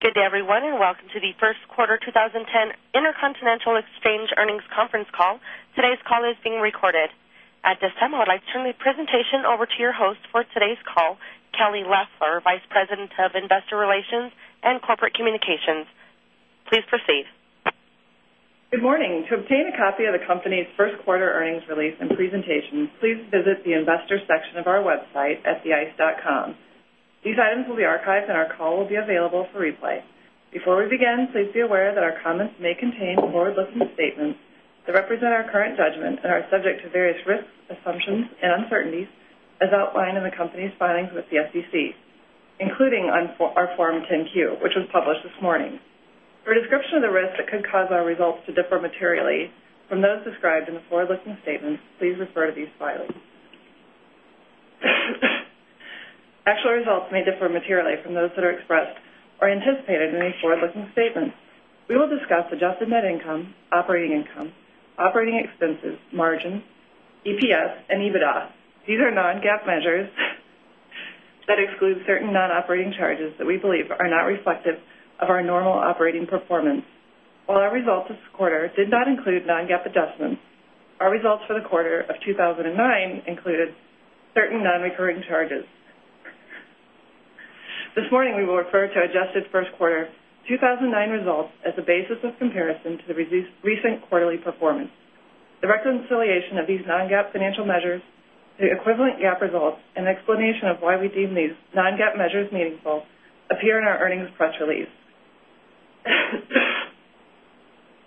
Good day, everyone, and welcome to the First Quarter 2010 InterContinental Exchange Earnings Conference Call. Today's call is being recorded. At this time, I would like to turn the presentation over to your host for today's call, Kelly Lassler, Vice President of Investor Relations and Corporate Communications. Please proceed. Good morning. To obtain a copy of the company's Q1 earnings release and presentation, please visit the Investors section of our website at theice.com. These items will be archived and our call will be available for replay. Before we begin, please be aware that our comments may contain forward looking statements that represent our current judgment and are subject to various risks, assumptions and uncertainties as outlined in the company's filings with the SEC, including on our Form 10 Q, which was published this morning. For a description of the risks that could cause our results to differ materially from those described in forward looking statements, please refer to these filings. Actual results may differ materially from those that are expressed or anticipated in these forward looking statements. We will discuss adjusted net income, operating income, operating expenses, margin, EPS and EBITDA. These are non GAAP measures that exclude certain non operating charges that we believe are not reflective of our normal operating performance. While our results this quarter did not include non GAAP adjustments, our results for the quarter of 2,009 included certain non recurring charges. This morning, we will refer to adjusted Q1 2019 results a basis of comparison to the recent quarterly performance. The reconciliation of these non GAAP financial measures to equivalent GAAP results and explanation of why we deem these non GAAP measures meaningful appear in our earnings press release.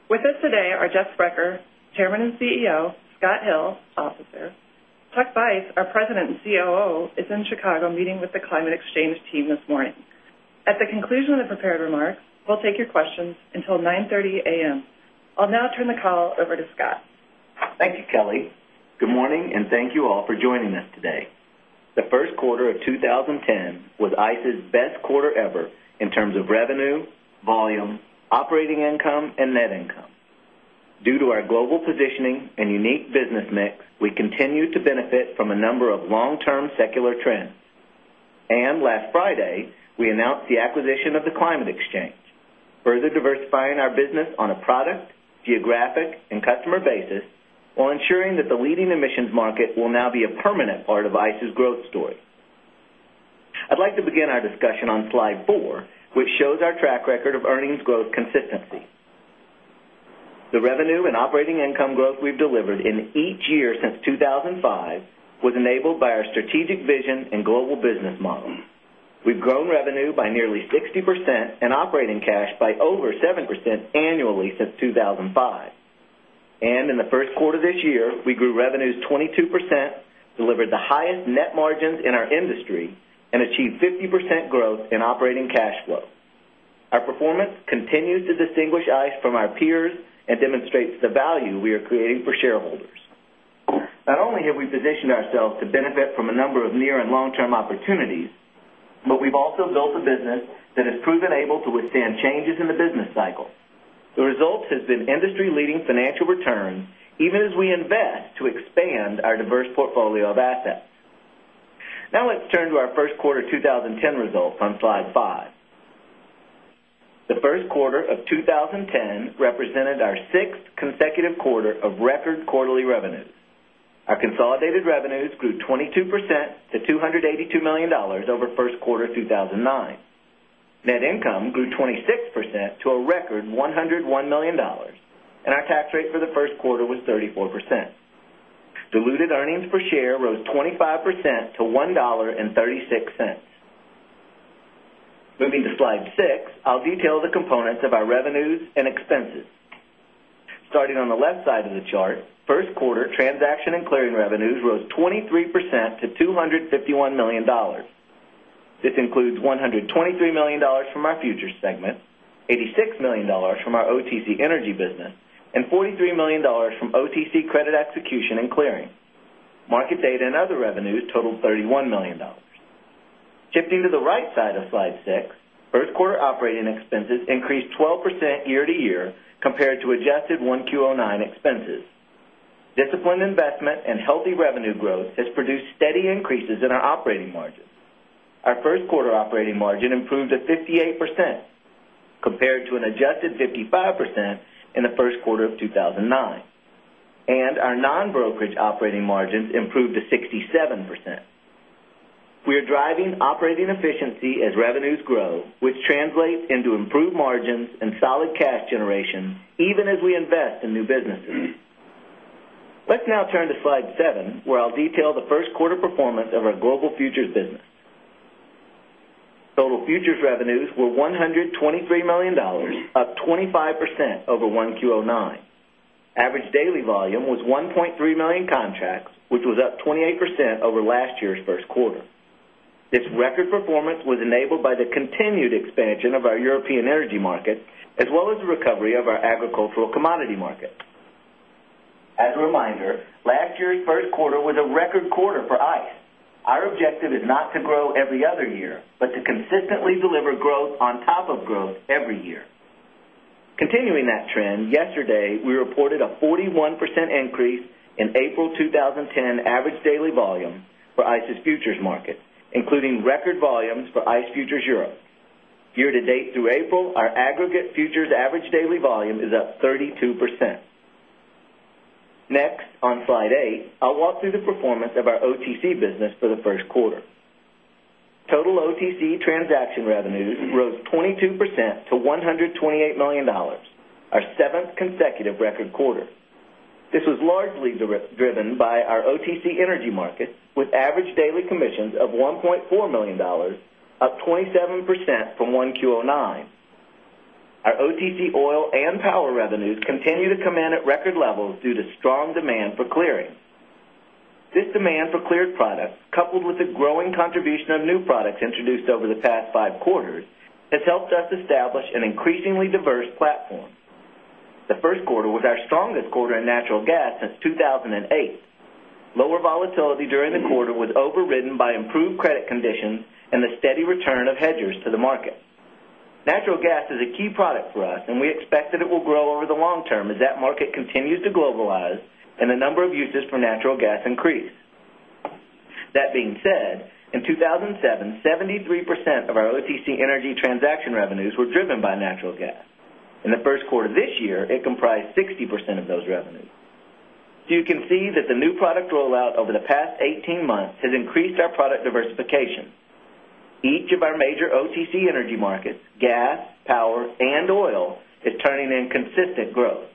With us today are Jeff Brecher, Chairman and CEO Scott Hill, Officer Chuck Veiss, our President and COO is in Chicago meeting with the Climate Exchange team this morning. At the conclusion of the prepared remarks, we'll take your questions until 9:30 am. I'll now turn the call over to Scott. Thank you, Kelly. Good morning and thank you all for joining us today. The Q1 of 2010 was ICE's best quarter ever in terms of revenue, volume, operating income and net income. Due to our global positioning and unique business mix, we continue to benefit from a number of long term secular trends. And last Friday, we announced the acquisition of the Climate Exchange, further diversifying our business on a product, geographic and customer basis, while ensuring that the leading emissions market will now be a permanent part of Isis growth story. I'd like to begin our discussion on slide 4, which shows our track record of earnings growth consistency. The revenue and operating income growth we've delivered in each year since 2,005 was enabled by our strategic vision and global business model. We've grown revenue by nearly 60% and operating cash by over 7% annually since 2,005. And in the Q1 this year, we grew revenues 22%, delivered the highest net margins in our industry and achieved 50% growth in operating cash flow. Our performance continues to distinguish ICE from our peers and demonstrates the value we are creating for shareholders. Not only have we positioned ourselves to benefit from a number of near and long term opportunities, but we've also built a business that has proven able to withstand changes in the business cycle. The result has been industry leading financial returns even as we invest to expand our diverse portfolio of assets. Now let's turn to our Q1 2010 results on Slide 5. The Q1 of 2010 represented our 6th consecutive quarter of record quarterly revenues. Our consolidated revenues grew 22% to $282,000,000 over Q1 of 2009. Net income grew 26% to a record $101,000,000 and our tax rate for the Q1 was 34%. Diluted earnings per share rose 25% to 1 $0.36 Moving to slide 6, I'll detail the components of our revenues and expenses. Starting on the left side of the chart, 1st quarter transaction and clearing revenues rose 23 percent to $251,000,000 This includes $123,000,000 from our Future segment, dollars 86,000,000 from our OTC Energy business and $43,000,000 from OTC credit execution and clearing. Markets aid and other revenues totaled $31,000,000 Shifting to the right side of slide 6. 1st quarter operating expenses increased 12% year to year compared to adjusted 1Q 'nine expenses. Disciplined investment and healthy revenue growth has produced steady increases in our operating margin. Our first quarter operating margin improved to 58% compared to an adjusted 55% in the Q1 of 2,009. And our non brokerage operating margins improved to 67%. We are driving operating efficiency as revenues grow, which translates into improved margins and solid cash generation even as we invest in new businesses. Let's now turn to slide 7, where I'll detail the Q1 performance of our Global Futures business. Total futures revenues were 100 and $23,000,000 up 25 percent over 1Q 'nine. Average daily volume was 1,300,000 contracts, which was up 28% over last year's Q1. This record performance was enabled by the continued expansion of our European energy market as well as the recovery of our agricultural commodity market. As a reminder, last year's Q1 was a record quarter for ICE. Our objective is not to grow every other year, but to consistently deliver growth on top of growth every year. Continuing that trend, yesterday we reported a 41% increase in April 20 10 average daily volume for ICE's futures market, including record volumes for ICE Futures Europe. Year to date through April, our aggregate futures average daily volume is up 32%. Next on slide 8, I'll walk through the performance of our OTC business for the Q1. Total OTC transaction revenues rose 22 percent to $128,000,000 our 7th consecutive record quarter. This was largely driven by our OTC Energy market with average daily commissions of $1,400,000 up 27% from 1Q 'nine. Our OTC oil and power revenues continue to come in at record levels due to strong demand for clearing. This demand for cleared products coupled with the growing contribution of new products introduced over the past 5 quarters has helped us establish an increasingly diverse platform. The Q1 was our strongest quarter in natural gas since 2,008. Lower volatility during the quarter was overridden by improved credit conditions and the steady return of hedgers to the market. Natural gas is a key product for us and we expect that it will grow over the long term as that market continues to globalize and the number of uses for natural gas increase. That being said, in 2,007, 73 percent of our OTC Energy transaction revenues were driven by natural gas. In the Q1 this year, it comprised 60% of those revenues. So you can see that the new product rollout over the past 18 months has increased our product diversification. Each of our major OTC Energy markets, gas, power and oil is turning in consistent growth.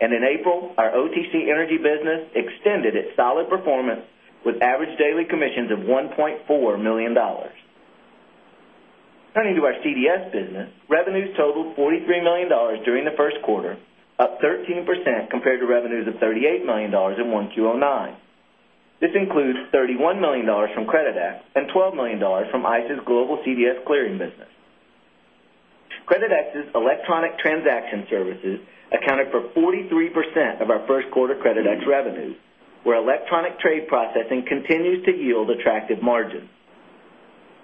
And in April, our OTC Energy business extended its solid performance with average daily commissions of $1,400,000 Turning to our CDS business. Revenues totaled $43,000,000 during the Q1, up 13% compared to revenues of $38,000,000 in 1Q 'nine. This includes $31,000,000 from Creditex and $12,000,000 from ICE's global CVS clearing business. Creditex's electronic transaction services accounted for 43% of our Q1 Creditex revenues, where electronic trade processing continues to yield attractive margins.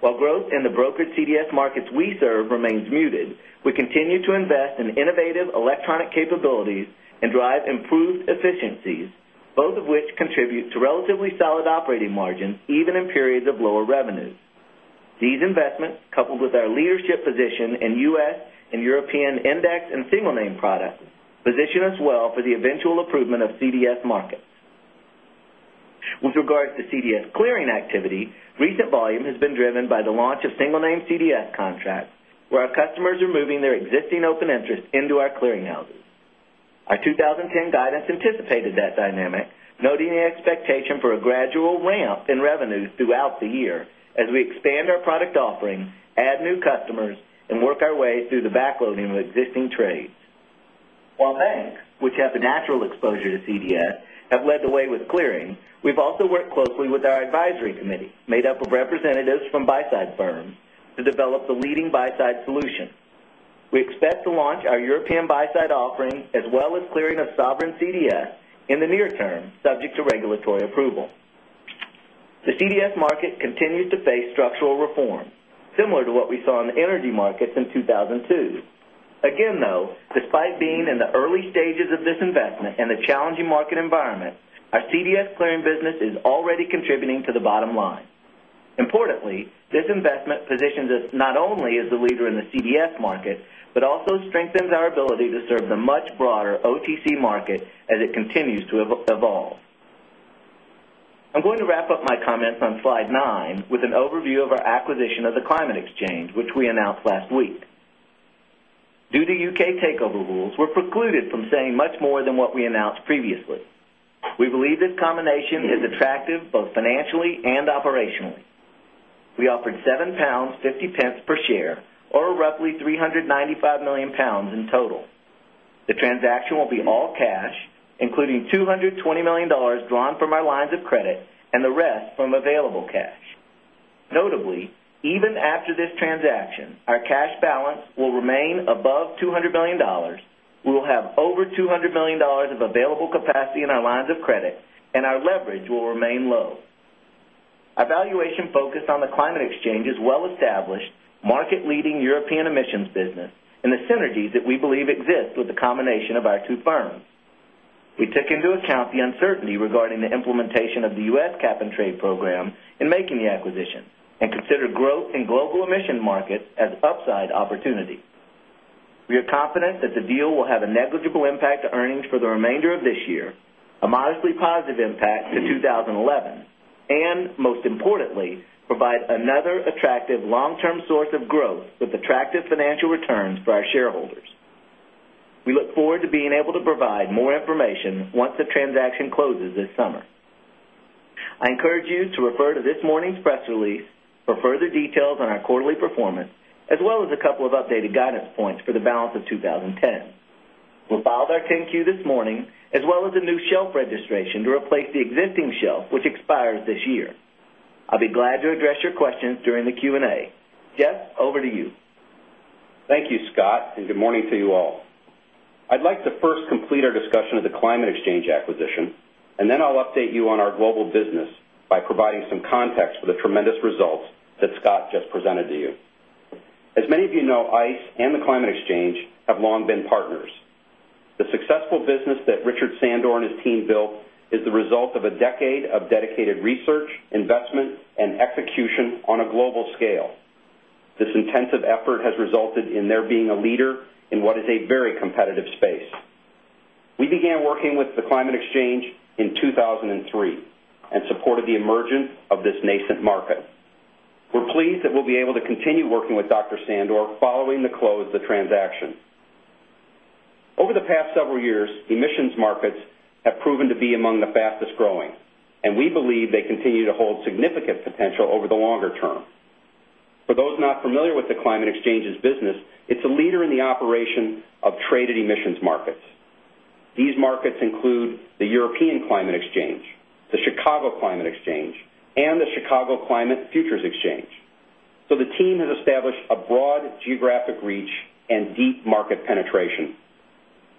While growth in the brokered CDS markets we serve remains muted, we continue to invest in innovative electronic capabilities and drive improved efficiencies, both of which contribute to relatively operating margins even in periods of lower revenues. These investments coupled with our leadership position in U. S. And European index and single name products position us well for the eventual improvement of CDS markets. With regards to CDS clearing activity, recent volume has been driven by the launch of single name CDS contracts, where our customers are moving their existing open interest into our clearinghouses. Our 2010 guidance anticipated that dynamic noting the expectation for a gradual ramp in revenues throughout the year as we expand our product offering, add new customers and work our way through the backloading of existing trades. While banks, which have a natural exposure to CDS, have led the way with clearing, we've also worked closely with our advisory committee made up of representatives from buy side firms to develop the leading buy side solution. We expect to launch our European buy side offering as well as clearing a sovereign CDS in the near term subject to regulatory approval. The CDS market continued to face structural reform, similar to what we saw in the energy markets in 2,002. Again though, despite being in the early stages of this investment and a challenging market environment, our CDS clearing business is already contributing to the bottom line. Importantly, this investment positions us not only as the leader in the CDS market, but also strengthens our ability to serve the much broader OTC market as it continues to evolve. I'm going to wrap up my comments on slide 9 with an overview of our acquisition of the Climate Exchange, which we announced last week. Due to U. K. Takeover rules, we're precluded from saying much more than what we announced previously. We believe this combination is attractive both financially and operationally. We offered £7.50 per share or roughly £395,000,000 in total. The transaction will be all cash, including $220,000,000 drawn from our lines of credit and the rest from available cash. Notably, even after this transaction, our cash balance will remain above $200,000,000 We will have over $200,000,000 of available capacity in our lines of credit and our leverage will remain low. Our valuation focus on the Climate Exchange is well established market leading European emissions business and the synergies that we believe exist with the combination of our 2 firms. We took into account the uncertainty regarding the implementation of the U. S. Cap and trade program in making the acquisition and consider growth in global emission markets as upside opportunity. We are confident that the deal will have a negligible impact to earnings for the remainder of this year, a modestly positive impact to 2011 and most importantly provide another attractive long term source of growth with attractive financial returns for our shareholders. We look forward to being able to provide more information once the transaction closes this summer. I encourage you to refer to this morning's press release for further details on our quarterly performance as well as a couple of updated guidance points for the balance of 20.10. We filed our 10 Q this morning as well as Thank you, Scott, and good morning to you all. I'd like to Thank you, Scott, and good morning to you all. I'd like to first complete our discussion of the Climate Exchange acquisition and then I'll update you on our global business by providing some context for the tremendous results that Scott just presented to you. As many of you know, ICE and the Climate Exchange have long been partners. The successful business that Richard Sandor and his team built is the result of a decade of dedicated research, investment and execution on a global scale. This intensive effort has resulted in there being a leader in what is a very competitive space. We began working with the Climate Exchange in 2003 and supported the emergence of this nascent market. We're pleased that we'll be able to continue working with Doctor. Sandor following the close of the transaction. Over the past several years, emissions markets have proven to be among the fastest growing, and we believe they continue to hold significant potential over the longer term. For those not familiar with the Climate Exchanges business, it's a leader in the operation of traded emissions These markets include the European Climate Exchange, the Chicago Climate Exchange and the Chicago Climate Futures Exchange. So the team has established a broad geographic reach and deep market penetration.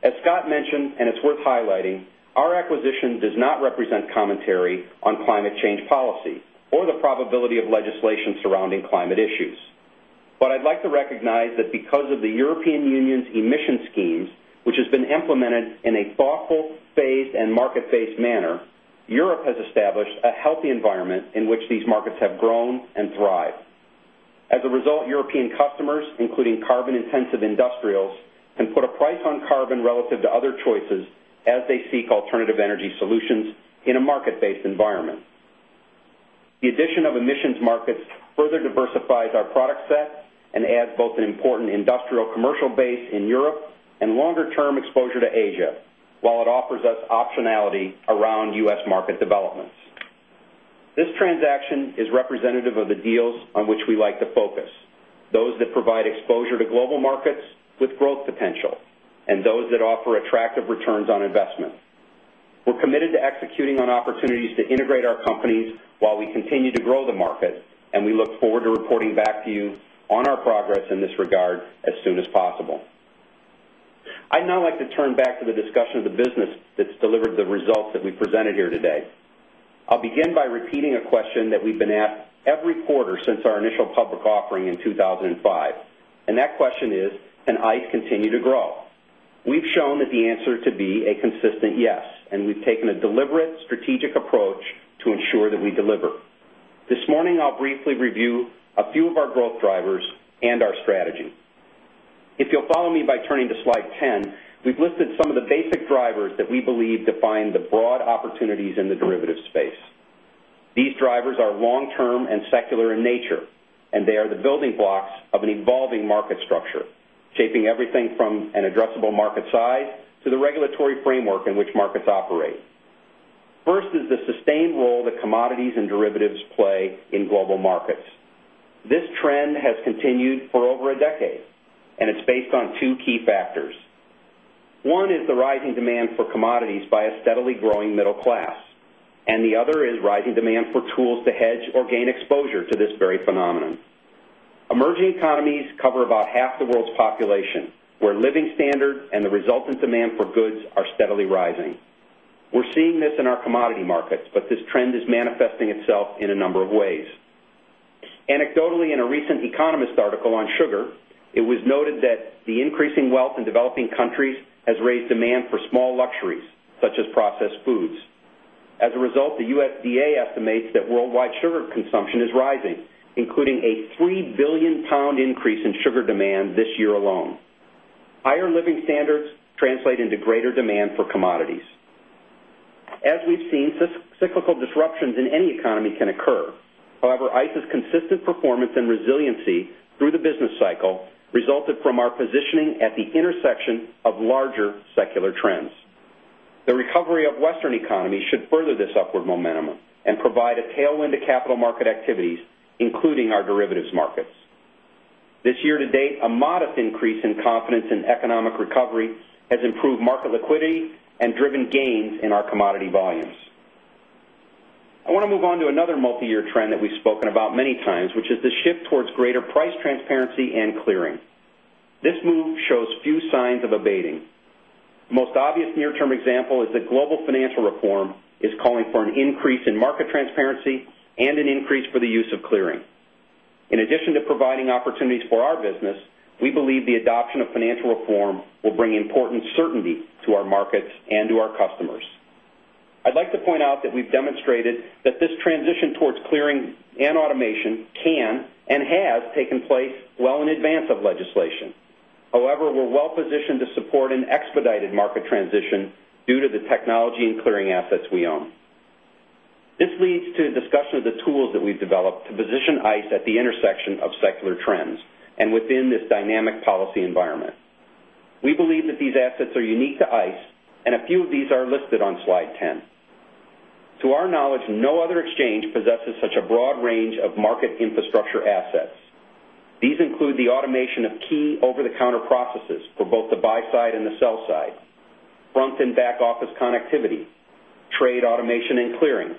As Scott mentioned and it's worth highlighting, our acquisition does not represent commentary on climate change policy or the probability of legislation surrounding climate issues. But I'd like to recognize that because of the European Union's emission schemes, which has been implemented in a thoughtful, phased and market based manner, Europe has established a healthy environment in which these markets have grown and thrived. As a result, European customers, including carbon intensive industrials, can put a price on carbon relative to other choices as they seek alternative energy solutions in a market based environment. The addition of emissions markets further diversifies our product set and adds both an important industrial commercial base in Europe and longer term exposure to Asia, while it offers us optionality around U. S. Market developments. This transaction is representative of the deals on which we like to focus, those that provide exposure to global markets with growth potential and those that offer attractive returns on investment. We're committed to executing on opportunities to integrate our companies while we continue to grow the market and we look forward to reporting back to you on our progress in this regard as soon as possible. I'd now like to turn back to the discussion of the business that's delivered the results that we presented here today. I'll begin by repeating a question that we've been asked every quarter since our initial public offering in 2,005 and that question is can ICE continue to grow? We've shown that the answer to be a consistent yes and we've taken a deliberate strategic approach to ensure that we deliver. This morning, I'll briefly review a few of our growth drivers and our strategy. If you'll follow me by turning to slide 10, we've listed some of the basic drivers that we believe define the broad opportunities in the derivative space. These drivers are long term and secular in nature and they are the building blocks of an evolving market structure, shaping everything from an addressable market size to the regulatory framework in which markets operate. First is the sustained role that commodities and derivatives play in global markets. This trend has continued for over a decade and it's based on 2 key factors. 1 is the rising demand for commodities by a steadily growing middle class and the other is rising demand for tools to hedge or gain exposure to this very phenomenon. Emerging economies cover about half the world's population where living standard and the resultant demand for goods are steadily rising. We're seeing this in our commodity markets, but this trend is manifesting itself in a number of ways. Anecdotally in a recent Economist article on sugar, it was noted that the increasing wealth in developing countries has raised demand for small luxuries such as processed foods. As a result, the USDA estimates that worldwide sugar consumption is rising, including a £3,000,000,000 increase in sugar demand this year alone. Higher living standards translate into greater demand for commodities. As we've seen, cyclical disruptions in any economy can occur. However, ICE's consistent performance and resiliency through the business cycle resulted from our positioning at the intersection of larger secular trends. The recovery of Western economy should further this upward momentum and provide a tailwind to capital market activities including our derivatives markets. This year to date, a modest increase in confidence in economic recovery has improved market liquidity and driven gains in our commodity volumes. I want to move on to another multiyear trend that we've spoken about many times, which is the shift towards greater price transparency and clearing. This move shows few signs of abating. Most obvious near term example is that global financial reform is calling for an increase in market transparency and an increase for the use of clearing. In addition to providing opportunities for our business, we believe the adoption of financial reform will bring important certainty to our markets and to our customers. I'd like to point out that we've demonstrated that this transition towards clearing and automation can and has taken place well in advance of legislation. However, we're well positioned to support an expedited market transition due to the technology and clearing assets we own. This leads to a discussion of the tools that we've developed to position ICE at the intersection of secular trends and within this dynamic policy environment. We believe that these assets are unique to ICE and a few of these are listed on Slide 10. To our knowledge, no other exchange possesses such a broad range of market infrastructure assets. These include the automation of key over the counter processes for both the buy side and the sell side, front and back office connectivity, trade automation and clearing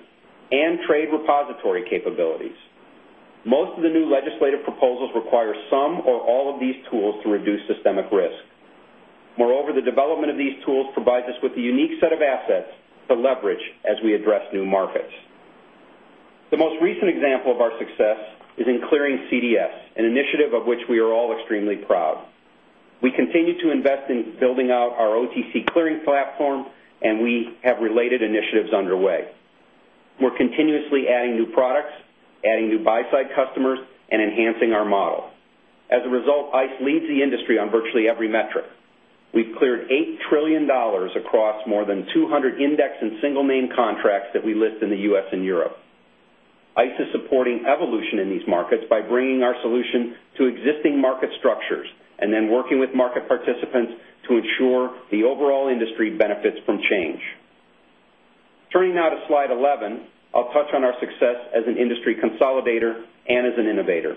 and trade repository capabilities. Most of the new legislative proposals require some or all of these tools to reduce systemic risk. Moreover, the development of these tools provides us with a unique set of assets to leverage as we address new markets. The most recent example of our success is in clearing CDS, an initiative of which we are all extremely proud. We continue to invest in building out our OTC clearing platform and we have related initiatives underway. We're continuously adding new products, adding new buy side customers and enhancing our model. As a result, ICE leads the industry on virtually every metric. We've cleared $8,000,000,000,000 across more than 200 index and single name contracts that we list in the U. S. And Europe. ICE is supporting evolution in these markets by bringing our solution to existing market structures and then working with market participants to ensure the overall industry benefits from change. Turning now to slide 11. I'll touch on our success as an industry consolidator and as an innovator.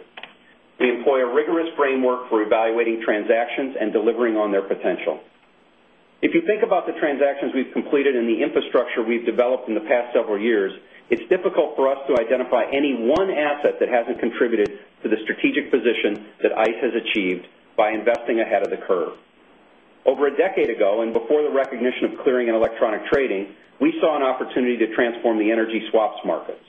We employ a rigorous framework for evaluating transactions and delivering on their potential. If you think about the transactions we've developed in the past several years, it's difficult for us to identify any one asset that hasn't contributed to the strategic position that ICE has achieved by investing ahead of the curve. Over a decade ago and before the recognition of clearing and electronic trading, we saw an opportunity to transform the energy swaps markets.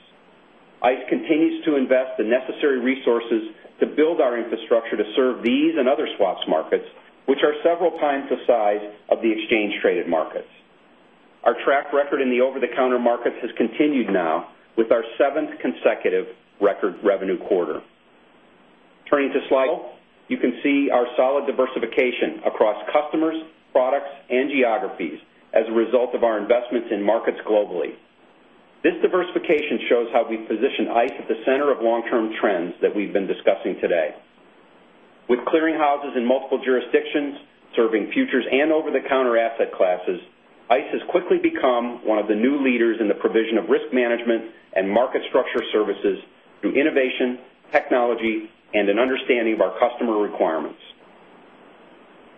ICE continues to invest the necessary resources to build our infrastructure to serve these and other swaps markets, which are several times the size of the exchange traded markets. Our track record in the over the counter markets has continued now with our 7th consecutive record revenue quarter. Turning to Slide 12. You can see our solid diversification across customers, products and geographies as a result of our investments in markets globally. This diversification shows how we position ICE at the center of long term trends that we've been discussing today. With clearinghouses in multiple jurisdictions, serving futures and over the counter asset classes, ICE has quickly become one of the new leaders in the provision of risk management and market structure services through innovation, technology and an understanding of our customer requirements.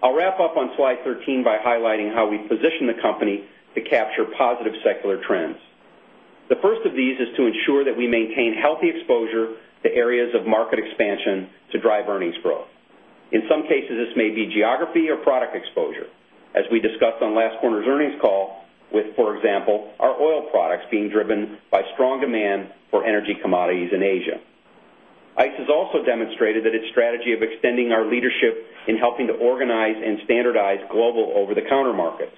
I'll wrap up on Slide 13 by highlighting how we position the company to capture positive secular trends. The first of these is to ensure that we maintain healthy exposure to areas of market expansion to drive earnings growth. In some cases, this may be geography or product exposure. As we discussed on last quarter's earnings call with, for example, our oil products being driven by strong demand for energy commodities in Asia. ICE has also demonstrated that its strategy of extending our leadership in helping to organize and standardize global over the counter markets.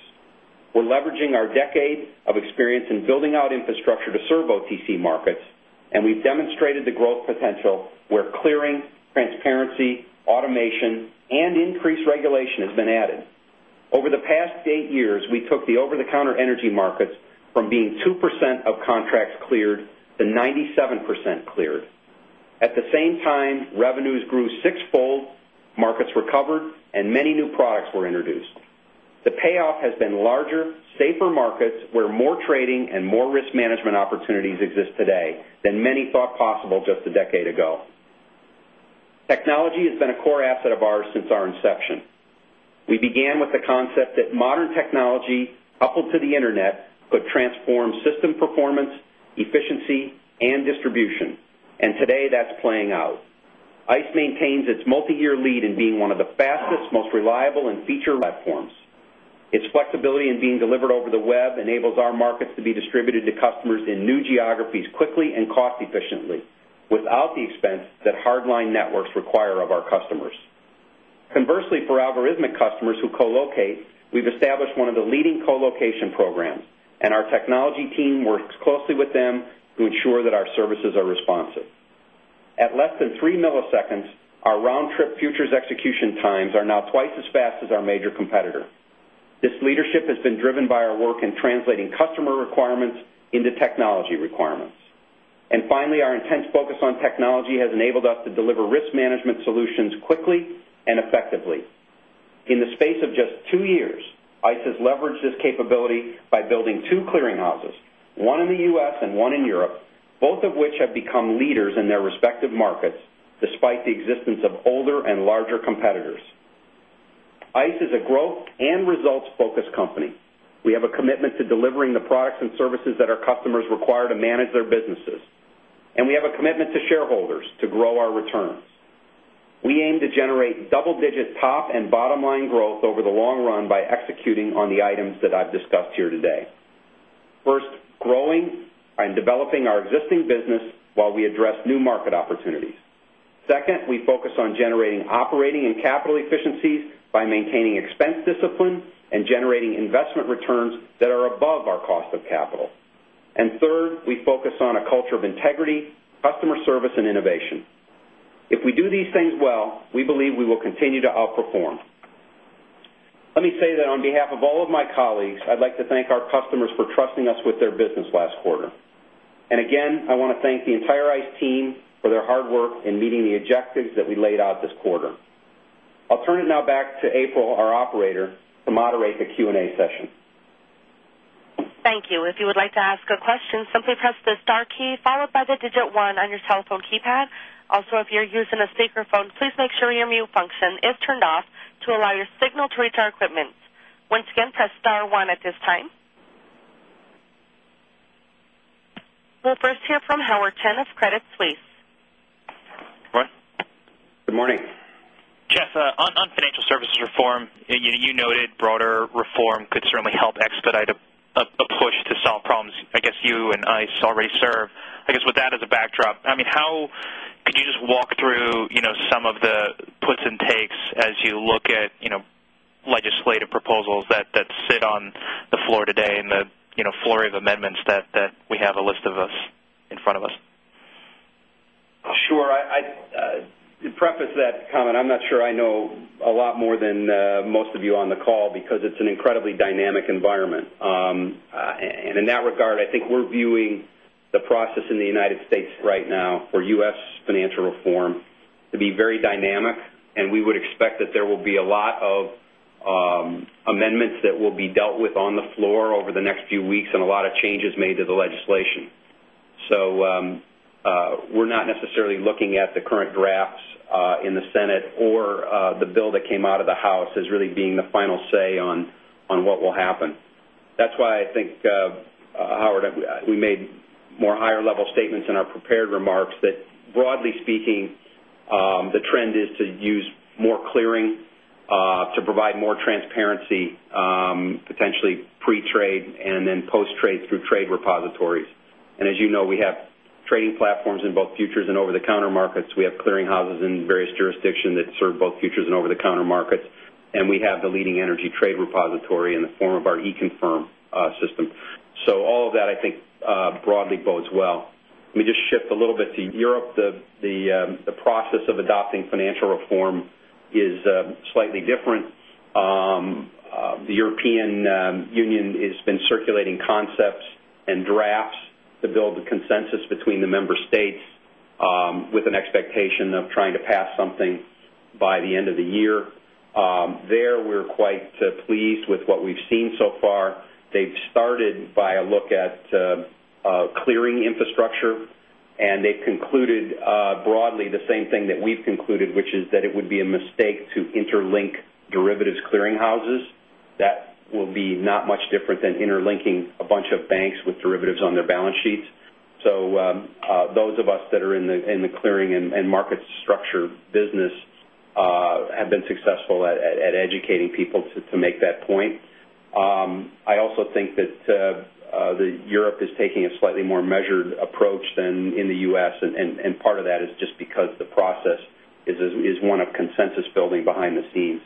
We're leveraging our decade of experience in building out infrastructure to serve OTC markets and we've demonstrated the growth potential where clearing, transparency, automation and increased regulation has been added. Over the past 8 years, we took the over the counter energy markets from being 2% of contracts cleared to 97% cleared. At the same time, revenues grew 6 fold, markets recovered and many new products were introduced. The payoff has been larger, safer markets where more trading and more risk management opportunities exist today than many thought possible just a decade ago. Technology has been a core asset of ours since our inception. We began with the concept that modern technology coupled to the Internet could transform system performance, efficiency and distribution and today that's playing out. ICE maintains its multiyear lead in being one of the fastest, most reliable and feature platforms. Its flexibility in being delivered over the web enables our markets to be distributed to customers in new geographies quickly and cost efficiently without the expense that hardline networks require of our customers. Conversely for algorithmic customers who co locate, we've established one of the leading co location programs and our technology team works closely with them to ensure that our services are responsive. At less than 3 milliseconds, our round trip futures execution times are now twice as fast as our major competitor. This leadership has been driven by our work in translating customer requirements into technology requirements. And finally, our intense focus on technology has enabled us to deliver risk management solutions quickly and effectively. In the space of just 2 years, ICE has leveraged this capability by building 2 clearinghouses, 1 in the U. S. And 1 in Europe, both of which have become leaders in their respective markets despite the existence of older and larger competitors. ICE is a growth and results focused company. We have a commitment to delivering the products and services that our customers require to manage their businesses. And we have a commitment to shareholders to grow our returns. We aim to generate double digit top and bottom line growth over the long run by executing on the items that I've discussed here today. 1st, growing and developing our existing business while we address new market opportunities. 2nd, we focus on generating operating and capital efficiencies by maintaining expense discipline and generating investment returns that are above our cost of capital. And third, we focus on a culture of integrity, customer service and innovation. If we do these things well, we believe we will continue to outperform. Let me say that on behalf of all of my colleagues, I'd like to thank our customers for trusting us with their business last quarter. And again, I want to thank the entire ICE team for their hard work in meeting the objectives that we laid out this quarter. I'll turn it now back to April, our operator, to moderate the Q and A session. Thank you. We'll first hear from Howard Chen of Credit Suisse. Good morning. Good morning. Jeff, on Financial Services Reform, you noted broader reform could certainly help expedite a push to solve problems, I guess, you and I already serve. I guess, with that as a backdrop, I mean, how could you just walk through some of the puts and takes as you look at legislative proposals that sit on the floor today and the floor Sure. I'd preface that comment. I'm Sure. To preface that comment, I'm not sure I know a lot more than most of you on the call because it's an incredibly dynamic environment. And in that regard, I think we're viewing the process in the United States right now for U. S. Financial reform to be very dynamic and we would expect that there will be a lot of amendments that will be dealt with on the floor over the next few weeks and a lot of changes made to the legislation. So we're not necessarily looking at the current drafts in the Senate or the bill that came out of the House as really being the final say on what will happen. That's why I think Howard we made more higher level statements in our prepared remarks that broadly speaking the trend is to use more clearing to provide more transparency potentially pre trade and then post trade through trade repositories. And as you know, we have trading platforms in both futures and over the counter markets. We have clearing houses in various jurisdictions that serve both futures and over the counter markets. And we have the leading energy trade repository in the form of our Econfirm system. So all of that I think broadly bodes well. Let me just shift a little bit to Europe. The process of adopting financial reform is slightly different. The European Union has been circulating concepts and drafts to build the consensus between the member states with an expectation of trying to pass something by the end of the year. There we're quite pleased with what we've seen so far. They've started by a look at clearing infrastructure and they've concluded broadly the same thing that we've concluded, which is that it would be a mistake to interlink derivatives clearinghouses. That will be not much different than interlinking a bunch of banks with derivatives on their balance sheet. So those of us that are in the clearing and market structure business have been successful at educating people to make that point. Measured approach than in the U. S. And part of that is just because the process is one of consensus building behind the scenes.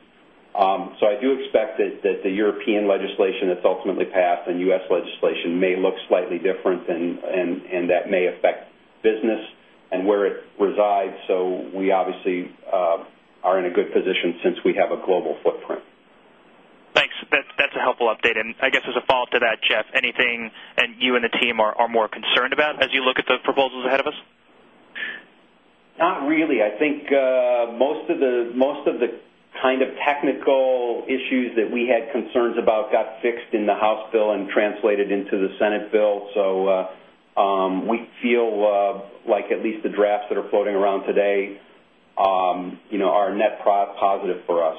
So I do expect that the European legislation that's ultimately passed and U. S. Legislation may look slightly different and that may affect business and where it resides. So we obviously are in a good position since we have a global footprint. Thanks. That's a helpful update. And I guess as a follow-up to that, Jeff, anything that you and the team are more concerned about as you look at the proposals ahead of us? Not really. I think most of the kind of technical issues that we had concerns about got fixed in the House bill and translated into the Senate bill. So we feel like at least the drafts that are floating around today are net positive for us.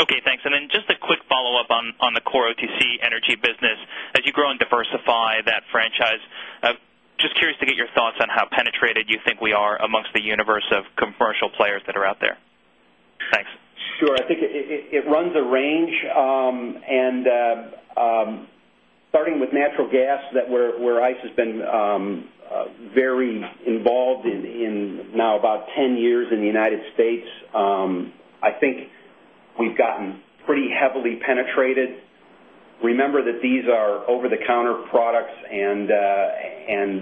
Okay. Thanks. And then just a quick follow-up on the core OTC Energy business. As you grow and diversify that franchise, just curious to get your thoughts on how penetrated you think we are amongst the universe of commercial players that are out there. Thanks. Sure. I think it runs a range. And starting with natural gas that where ICE has been very involved in now about 10 years in the United States, I think we've gotten pretty heavily penetrated. Remember that these are over the counter products and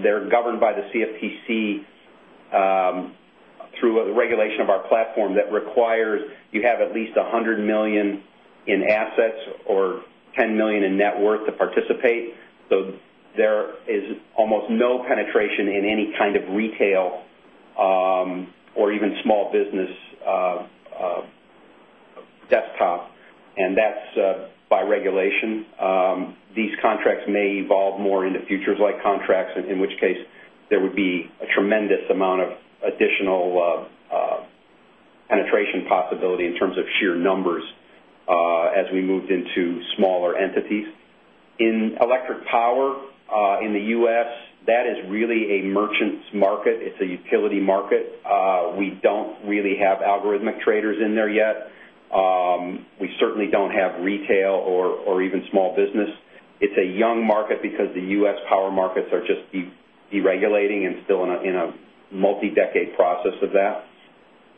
they're governed by the CFTC through a regulation of our platform that requires you have at least 100,000,000 dollars in assets or $10,000,000 in net worth to participate. So there is almost no penetration in any kind of retail or even small business desktop and that's by regulation. These contracts may evolve more into futures like contracts in which case there would be a tremendous amount of additional penetration possibility in terms of sheer numbers as we moved into smaller entities. In electric power, in the U. S, that is really a merchant's market. It's a utility market. We don't really have algorithmic traders in there yet. We certainly don't have retail or even small business. It's a young market because the U. S. Power markets are just deregulating and still in a multi decade process of that.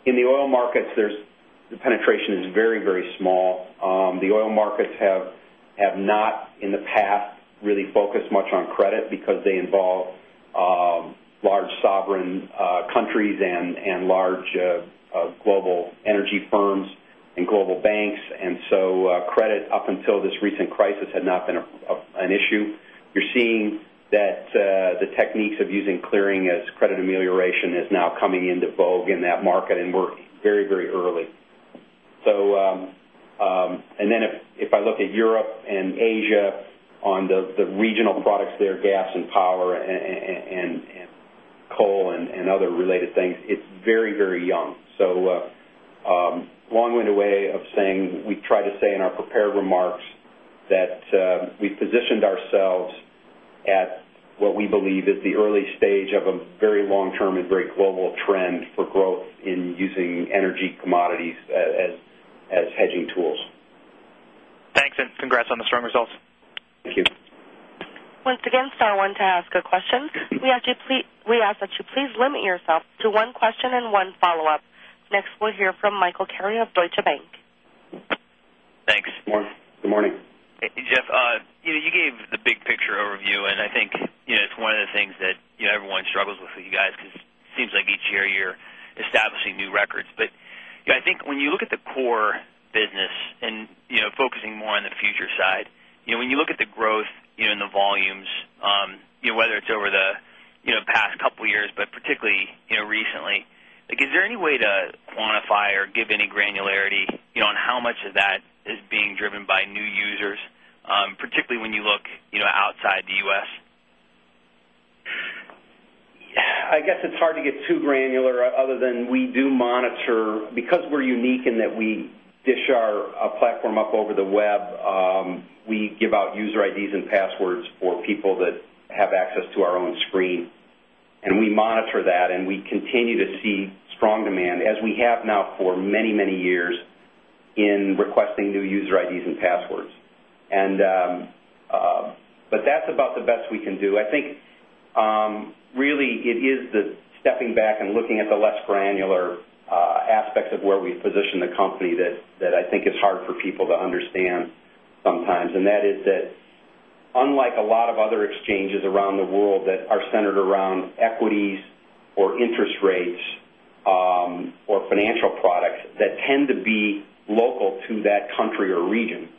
In the oil markets, there's the penetration is very, very small. The oil markets have not in the past really focused much on credit because they involve large sovereign countries and large global energy firms and global banks. And so credit up until this recent crisis had not been an issue. You're seeing that the techniques of using clearing as credit amelioration is now coming into vogue in that market and we're very, very early. So and then if I look at Europe and Asia on the regional products there, gas and power and coal and other related things, it's very, very young. So long winded way of saying we tried to say in our prepared remarks that we positioned ourselves at what we believe is the early stage of a very long term and very global trend for growth in using energy commodities as hedging tools. Thanks and congrats on strong results. Thank you. Next, we'll hear from Michael Carrier of Deutsche Bank. Thanks. Good morning. Good morning. Jeff, you gave the big picture overview. And I think it's one of the things that everyone struggles with you guys because it seems each year you're establishing new records. But I think when you look at the core business and focusing more on the future side, when you look at the growth in the volumes, whether it's over the past couple of years, but particularly recently, like is there any way to quantify or give any granularity on how much of that is being driven by new users, particularly when you look outside the U. S? I guess it's hard to get too granular other than we do monitor because we're have access to our own screen and we monitor that and we have access to our own screen. And we monitor that and we continue to see strong demand as we have now for many, many years in requesting new user IDs and passwords. And but that's about the best we can do. I think really it is the stepping back and looking at the less granular aspects of where we position the company that I think is hard for people to understand sometimes. And that is that unlike a lot of other exchanges around the world that are centered around equities or interest rates or financial products that tend to be local to that country or region.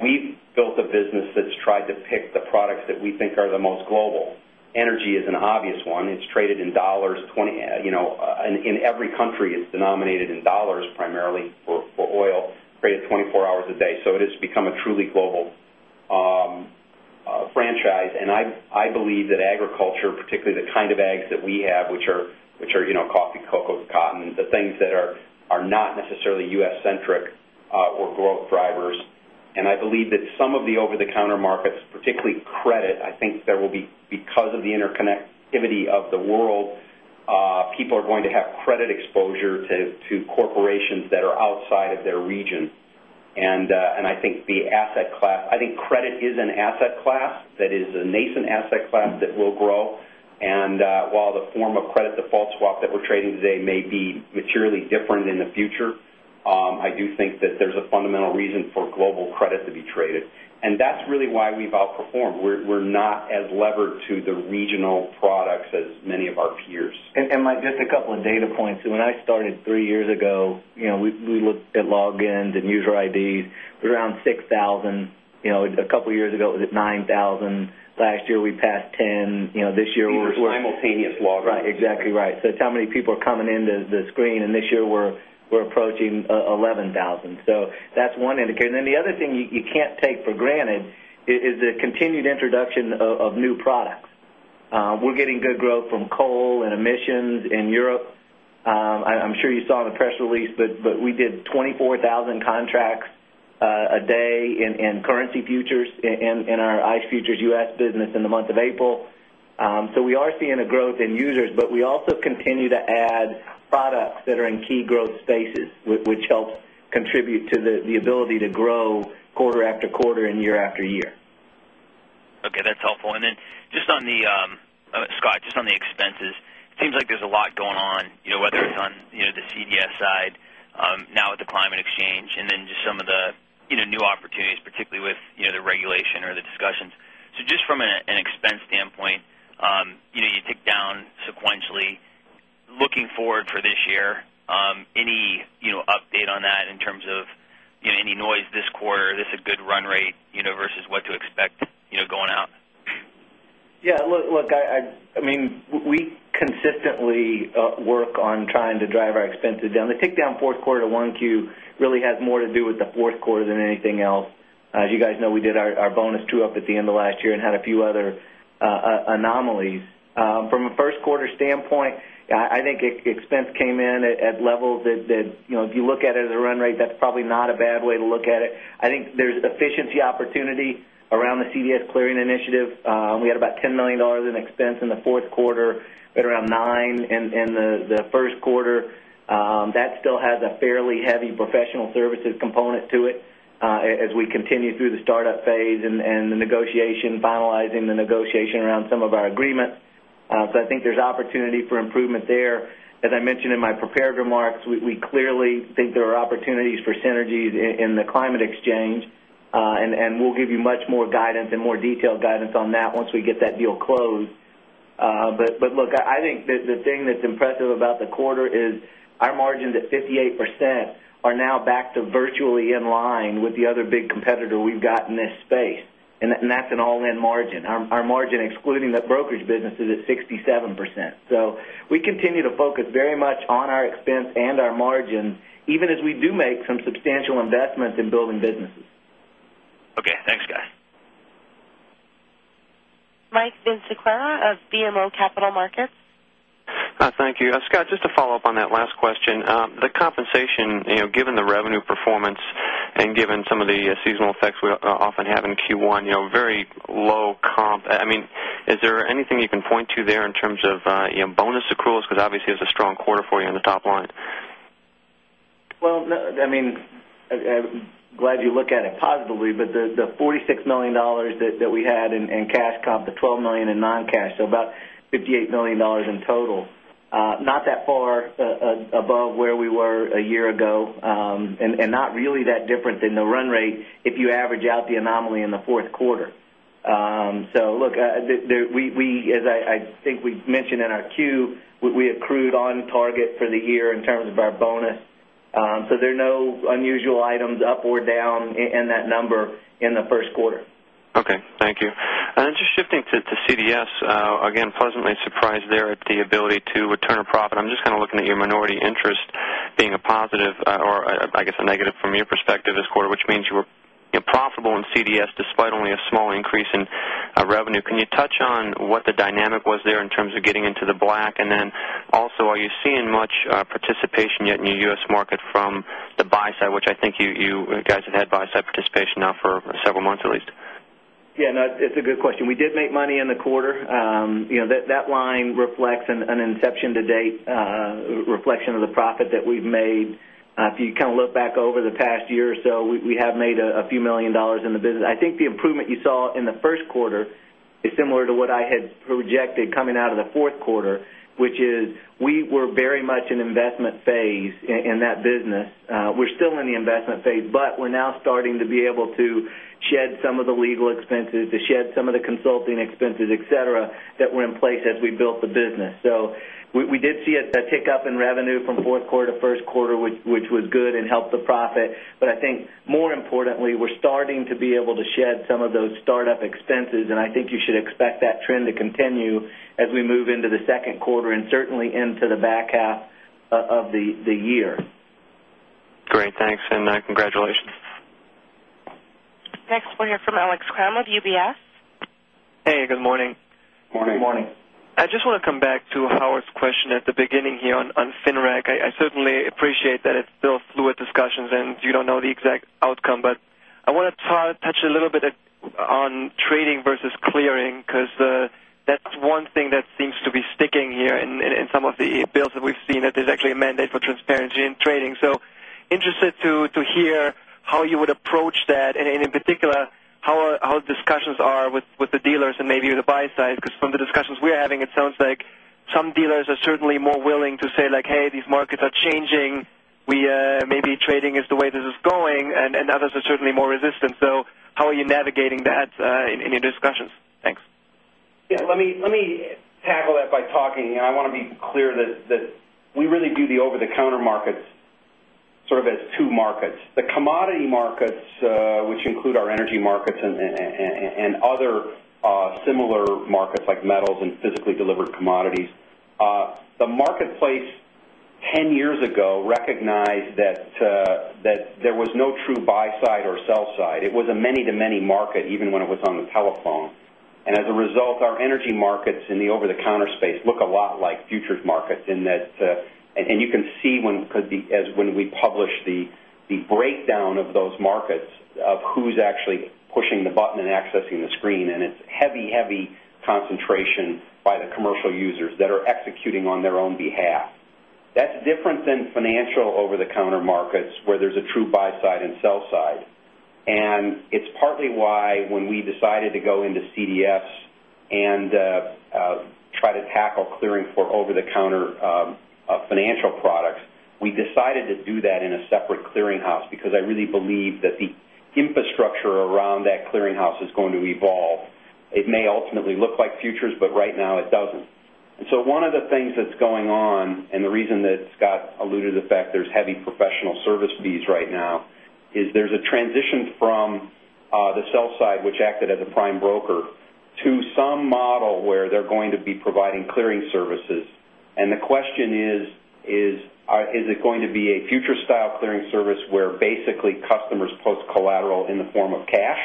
We've built a business that's tried to pick the products that we think are the most global. Energy is an obvious one. It's traded in dollars. In every country, it's denominated in dollars primarily for oil, traded 24 hours a day. So it has become a truly global franchise. And I believe that agriculture, particularly the kind of ags that we have, which are coffee, cocoa, cotton, the things that are not necessarily U. S. Centric were growth drivers. And I believe that some of the over the counter markets, particularly credit, I think there will be because of the interconnectivity of the world, people are going to have credit exposure to corporations that are outside of their region. And I think the asset class, I think credit is an asset class that is a nascent asset class that will grow. And while the form of credit default swap that we're trading today may be materially different in the future, I do think that there's a fundamental reason for global credit to be traded. And that's really why we've outperformed. We're not as levered to the regional products as many of our peers. And Mike just a couple of data points. When I started 3 years ago, we looked at logins and user IDs. It was around 6000. A couple of years ago, it was at 9,000. Last year, we passed 10. This year we're Simultaneous log. Right, exactly right. So it's how many people are coming into the screen. And this year, we're approaching 11,000. So that's one indicator. And then the other thing you can't take for granted is the continued introduction of new products. We're getting good growth from coal and emissions in Europe. I'm sure you saw in the press release, but we did 24,000 contracts a day in currency futures in our ICE Futures U. S. Business in the month of April. So we are seeing a growth in users, but we also continue to add products that are in key growth spaces, which helps contribute to the ability to grow quarter after quarter and year after year. Okay. That's helpful. And then just on the Scott, just on the expenses, it seems like there's a lot going on whether it's on the CDS side now with the Climate Exchange and then just some of the new opportunities, particularly with the regulation or the discussions. So just from an expense standpoint, you ticked down sequentially. Looking forward for this year, any update on that in terms of any noise this quarter? Is this a good run rate versus what to expect going out? Yes. Look, I mean, we consistently work on trying to drive our expenses down. The tick down 4th quarter to 1Q really has more to do with the 4th quarter than anything else. As you guys know, we did our bonus true up at the end of last year and had a few other anomalies. From a Q1 standpoint, I think expense came in at levels that if you look at it as a run rate, that's probably not a bad way to look at it. I think there's an efficiency opportunity around the CVS Clearing initiative. We had about $10,000,000 in expense in the 4th quarter at around $9,000,000 in the Q1. That still has a fairly heavy professional services component to it as we continue through the startup phase and the negotiation finalizing the negotiation around some of our agreements. So I think there's opportunity for improvement there. As I mentioned in my prepared remarks, we clearly think there are opportunities for synergies in the Climate Exchange and we'll give you much more guidance and more detailed guidance on that once we get that deal closed. But look, I think the thing that's impressive about the quarter is our margins at 58% are now back to virtually in line with the other big competitor we've got in this space. And that's an all in margin. Our margin excluding that brokerage business is at 67 percent. So we continue to focus very much on our expense and our margin even as we do make some substantial investments in building businesses. Okay. Thanks, guys. Mike DeCicquera of BMO Capital Markets. Thank you. Scott, just a follow-up on that last question. The compensation given the revenue performance and given some of the seasonal effects we have in Q1, very low comp. I mean, is there anything you can point to there in terms of bonus accruals? Because obviously it's a strong quarter for you on the top line. Well, I mean, I'm glad you look at it positively, but the $46,000,000 that we had in cash comp, the $12,000,000 in non cash, so about $58,000,000 in total. Not that far above where we were a year ago and not really that different than the run rate if you average out the anomaly in the Q4. So look, we as I think we mentioned in our Q, we accrued on target for the year in terms of our bonus. So there are no unusual items up or down in that number in the Q1. Okay. Thank you. And then just shifting to CDS, again, pleasantly surprised there at the ability to return to profit. I'm just kind of looking at your minority interest being a positive or I guess a negative from your perspective this quarter, which means you were profitable in CDS despite only a small increase in revenue. Can you touch on what the dynamic was there in terms of getting into the black? And then also, are you seeing much participation yet in the U. S. Market from the buy side which I think you guys have had buy side participation now for several months at least? Yes. No, it's a good question. We did make money in the quarter. That line reflects an inception to date reflection of the profit that we've made. If you kind of look back over the past year or so, we have made a few $1,000,000 the business. I think the improvement you saw in the Q1 is similar to what I had projected coming out of the Q4, which is we were very much in investment phase in that business. We're still in the investment phase, but we're now starting to be able to shed some of the legal expenses, to shed some of the consulting expenses, etcetera that were in place as we built the business. So we did see a tick up in revenue from Q4 to Q1, which was good and helped the profit. But I think more importantly, we're starting to be able to shed some of those start up expenses. And I think you should expect that trend to continue as we move into the Q2 and certainly into the back half of the year. Great. Thanks and congratulations. Next we'll hear from Alex Kramm of UBS. Hey, good morning. Good morning. Good morning. I just want to come back to Howard's question at the beginning here on FinRac. I certainly appreciate that it's still fluid discussions and you don't know the exact outcome, but I want to touch a little bit on trading versus clearing because that's one thing that seems to be sticking here in some of the bills we've seen that there's actually a mandate for transparency in trading. So interested to hear how you would approach that and in particular how discussions are with the dealers and maybe the buy side because from the discussions we're having, it sounds like some dealers are certainly more willing to say like, hey, these markets are changing. We maybe trading is the way this is going and others are certainly more resistant. So how are you navigating that in your discussions? Yes. Let me tackle that by talking. I want to be clear that we really view the over the counter markets sort of as 2 markets. The commodity markets, which include our energy markets and other similar markets like metals and physically delivered commodities, The marketplace 10 years ago recognized that there was no true buy side or sell side. It was a many to many market even when it was on the telephone. And as a result, our energy markets in the over the counter space look a lot like futures markets in that and you can see when we publish the breakdown of those markets of who's actually pushing the button and accessing the screen and it's heavy, heavy concentration by the commercial users that are executing on their own behalf. That's different than financial over the counter markets where there's a true buy side and sell side. And it's partly why when we decided to go into CDS and try to tackle clearing for over the counter financial products, we decided to do that in a separate clearinghouse because I really believe that the infrastructure around that clearinghouse is going to evolve. It may ultimately look like futures, but right now it doesn't. And so one of the things that's going on and the reason that Scott alluded to the fact there's heavy professional service fees right now is there's a transition from the sell side, which acted as a prime broker to some model where they're going to be providing clearing services. And the question is, is it going to be a future style clearing service where basically customers post collateral in the form of cash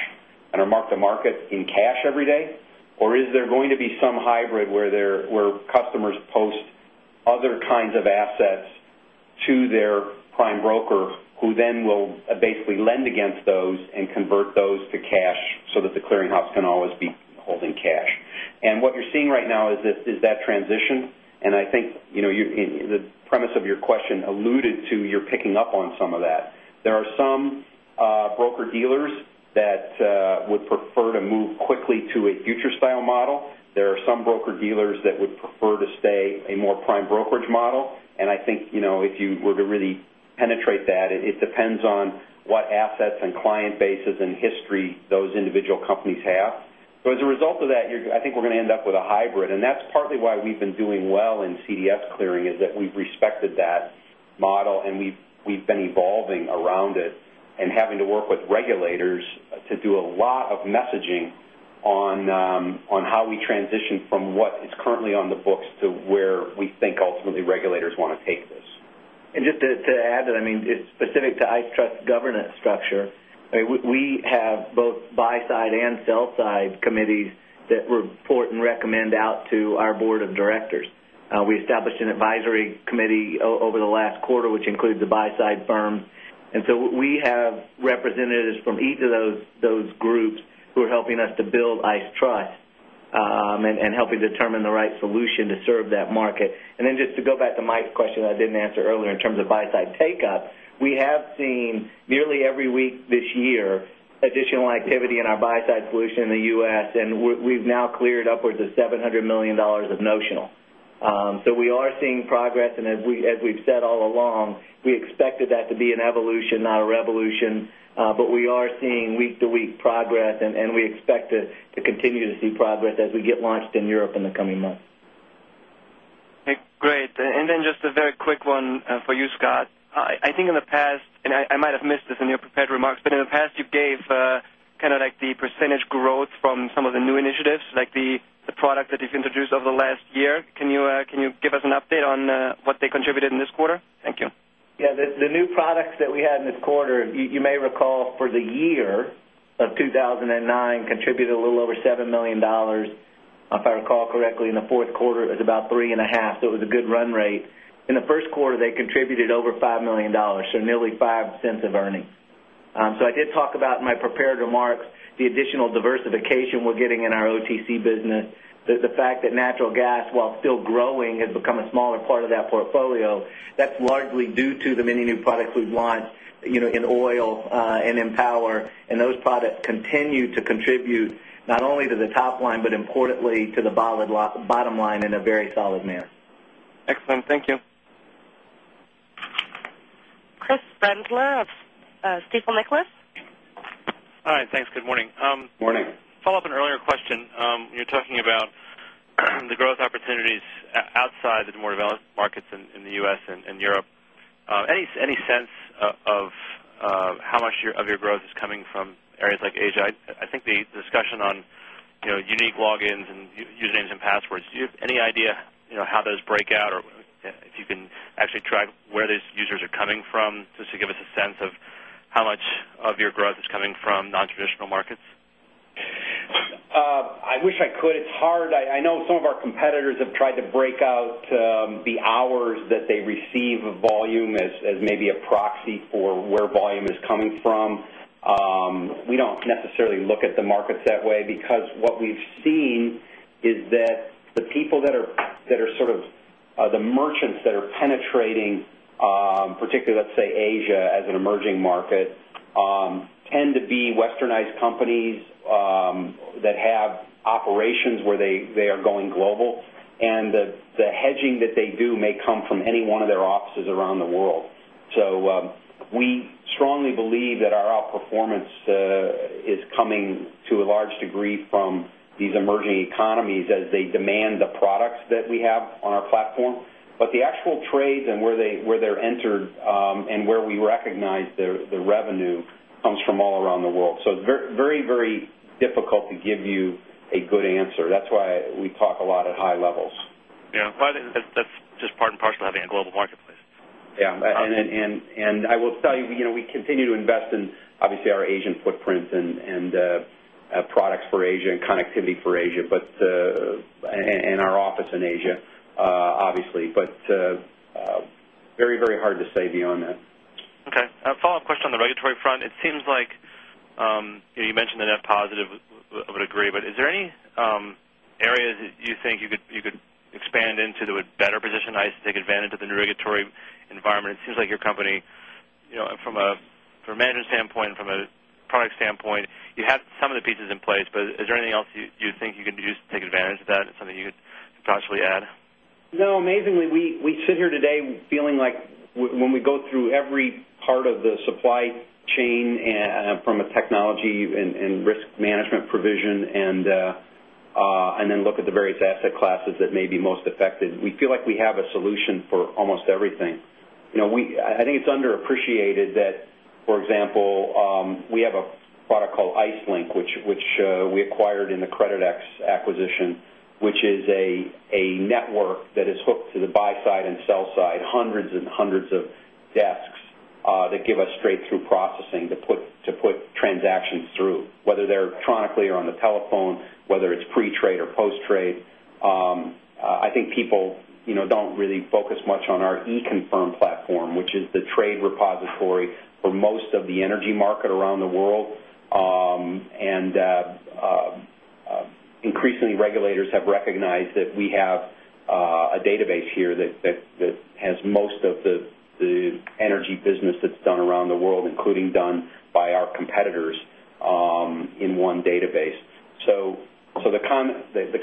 and our mark to market in cash every day? Or is there going to be some hybrid where customers post other kinds of assets to their prime broker who then will basically lend against those and convert those to cash so that the clearinghouse can always be holding cash. And what you're seeing right now is that transition. And I think the premise of your question alluded to you're picking up on some of that. There are some broker dealers that would prefer to move quickly to a future style model. There are some broker dealers that would prefer to stay a more prime brokerage model. And I think if you were to really penetrate that, it depends on what assets and client bases and history those individual companies have. So as a result of that, I think we're going to end up with a hybrid. And that's partly why we've been doing well in CDS clearing is that we've respected that model and we've been evolving around it and having to work with regulators to do a lot of messaging on how we transition from what is currently on the books to where we think ultimately regulators want to take this. And just to add to that, I mean, it's specific to I Trust governance structure. We have both buy side and sell side committees that report and recommend out to our Board of Directors. We established an advisory committee over the last quarter, which includes the buy side firms. And so we have representatives from each of those groups who are helping us to build ICE trust, and helping determine the right solution to serve that market. And then just to go back to Mike's question, I didn't answer earlier in terms of buy side take up, we have seen nearly every week this year additional activity in our buy side solution in the U. S. And we've now cleared upwards of $700,000,000 of notional. So we are seeing progress. And as we've said all along, we expected that to be an evolution not a revolution. But we are seeing week to week progress and we expect to continue to see progress as we get launched in Europe in the coming months. Great. And then just a very quick one for you Scott. I think in the past and I might have missed this in your prepared remarks, but in the past you gave kind of like the percentage growth from some of the new initiatives like the product that you've introduced over the last year? Can you give us an update on what they contributed in this quarter? Thank you. Yes. The new products that we had in this quarter, you may recall for the year of 2,009 contributed a little over $7,000,000 If I recall correctly in the Q4 it was about 3 point 5. So it was a good run rate. In the Q1, they contributed over $5,000,000 so nearly 0 point the additional diversification we're getting in our OTC business. The fact that natural gas while still growing has become a smaller part of that portfolio That's largely due to the many new products we've launched in oil and in power. And those products continue to contribute not only to the top line, but importantly to the bottom line in a very solid manner. Excellent. Thank you. Chris Brendler of Stifel Nicolaus. Hi. Thanks. Good morning. Good morning. Follow-up on earlier question. You're talking about the growth opportunities outside the more developed markets in the U. S. And Europe. Any sense of much of your growth is coming from areas like Asia? I think the discussion on unique logins and usernames and passwords, do you have any idea how those break out or if you can actually track where those users are coming from just to give us a sense of how much of your growth is coming from nontraditional markets? I wish I could. It's hard. I know some of our competitors have tried to break out the hours that they receive volume as maybe a proxy for where volume is coming from. We don't necessarily look at the markets that way because what we've seen is that the people that are sort of the merchants that are penetrating, particularly, let's say, Asia as an emerging market, tend to be westernized companies that have operations where they are going global and the hedging that they do may come from any one of their offices around the world. So we strongly believe that our outperformance is coming to a large degree from these emerging economies as they demand the products that we have on our platform. But the actual trades and where they're entered and where we recognize the revenue comes from all around the world. So it's very, very difficult And Yes. And I will tell you we continue to invest in obviously our Asian footprint and products for Asia and connectivity for Asia but and our office in Asia, obviously. But very, very hard to say beyond that. Okay. A follow-up question on the regulatory front. It seems like you mentioned the net positive of a degree, but is there any areas that you think you could expand into that would better position ICE to take advantage of the environment? It seems like your company from a management standpoint and from a product standpoint, you had some of the pieces in place. But is there anything else you think you can do just to take advantage of that and something you could possibly add? No. Amazingly, we sit here today feeling like when we go through every part of the supply chain from a technology and risk management provision and then look at the various asset classes that may be most affected. We feel like we have a solution for almost everything. I think it's underappreciated that, for example, we have a product called IceLink, which we acquired in the Creditex acquisition, which is a network that is hooked to the buy side and sell side, hundreds and hundreds of desks that give us straight through processing to put transactions through whether they're electronically or on the telephone, whether it's pre trade or post trade. I think people don't really focus much on our e confirm platform, which is the trade repository for most of the energy market around the world And increasingly regulators have recognized that we have a database here has most of the energy business that's done around the world including done by our competitors in one database. So the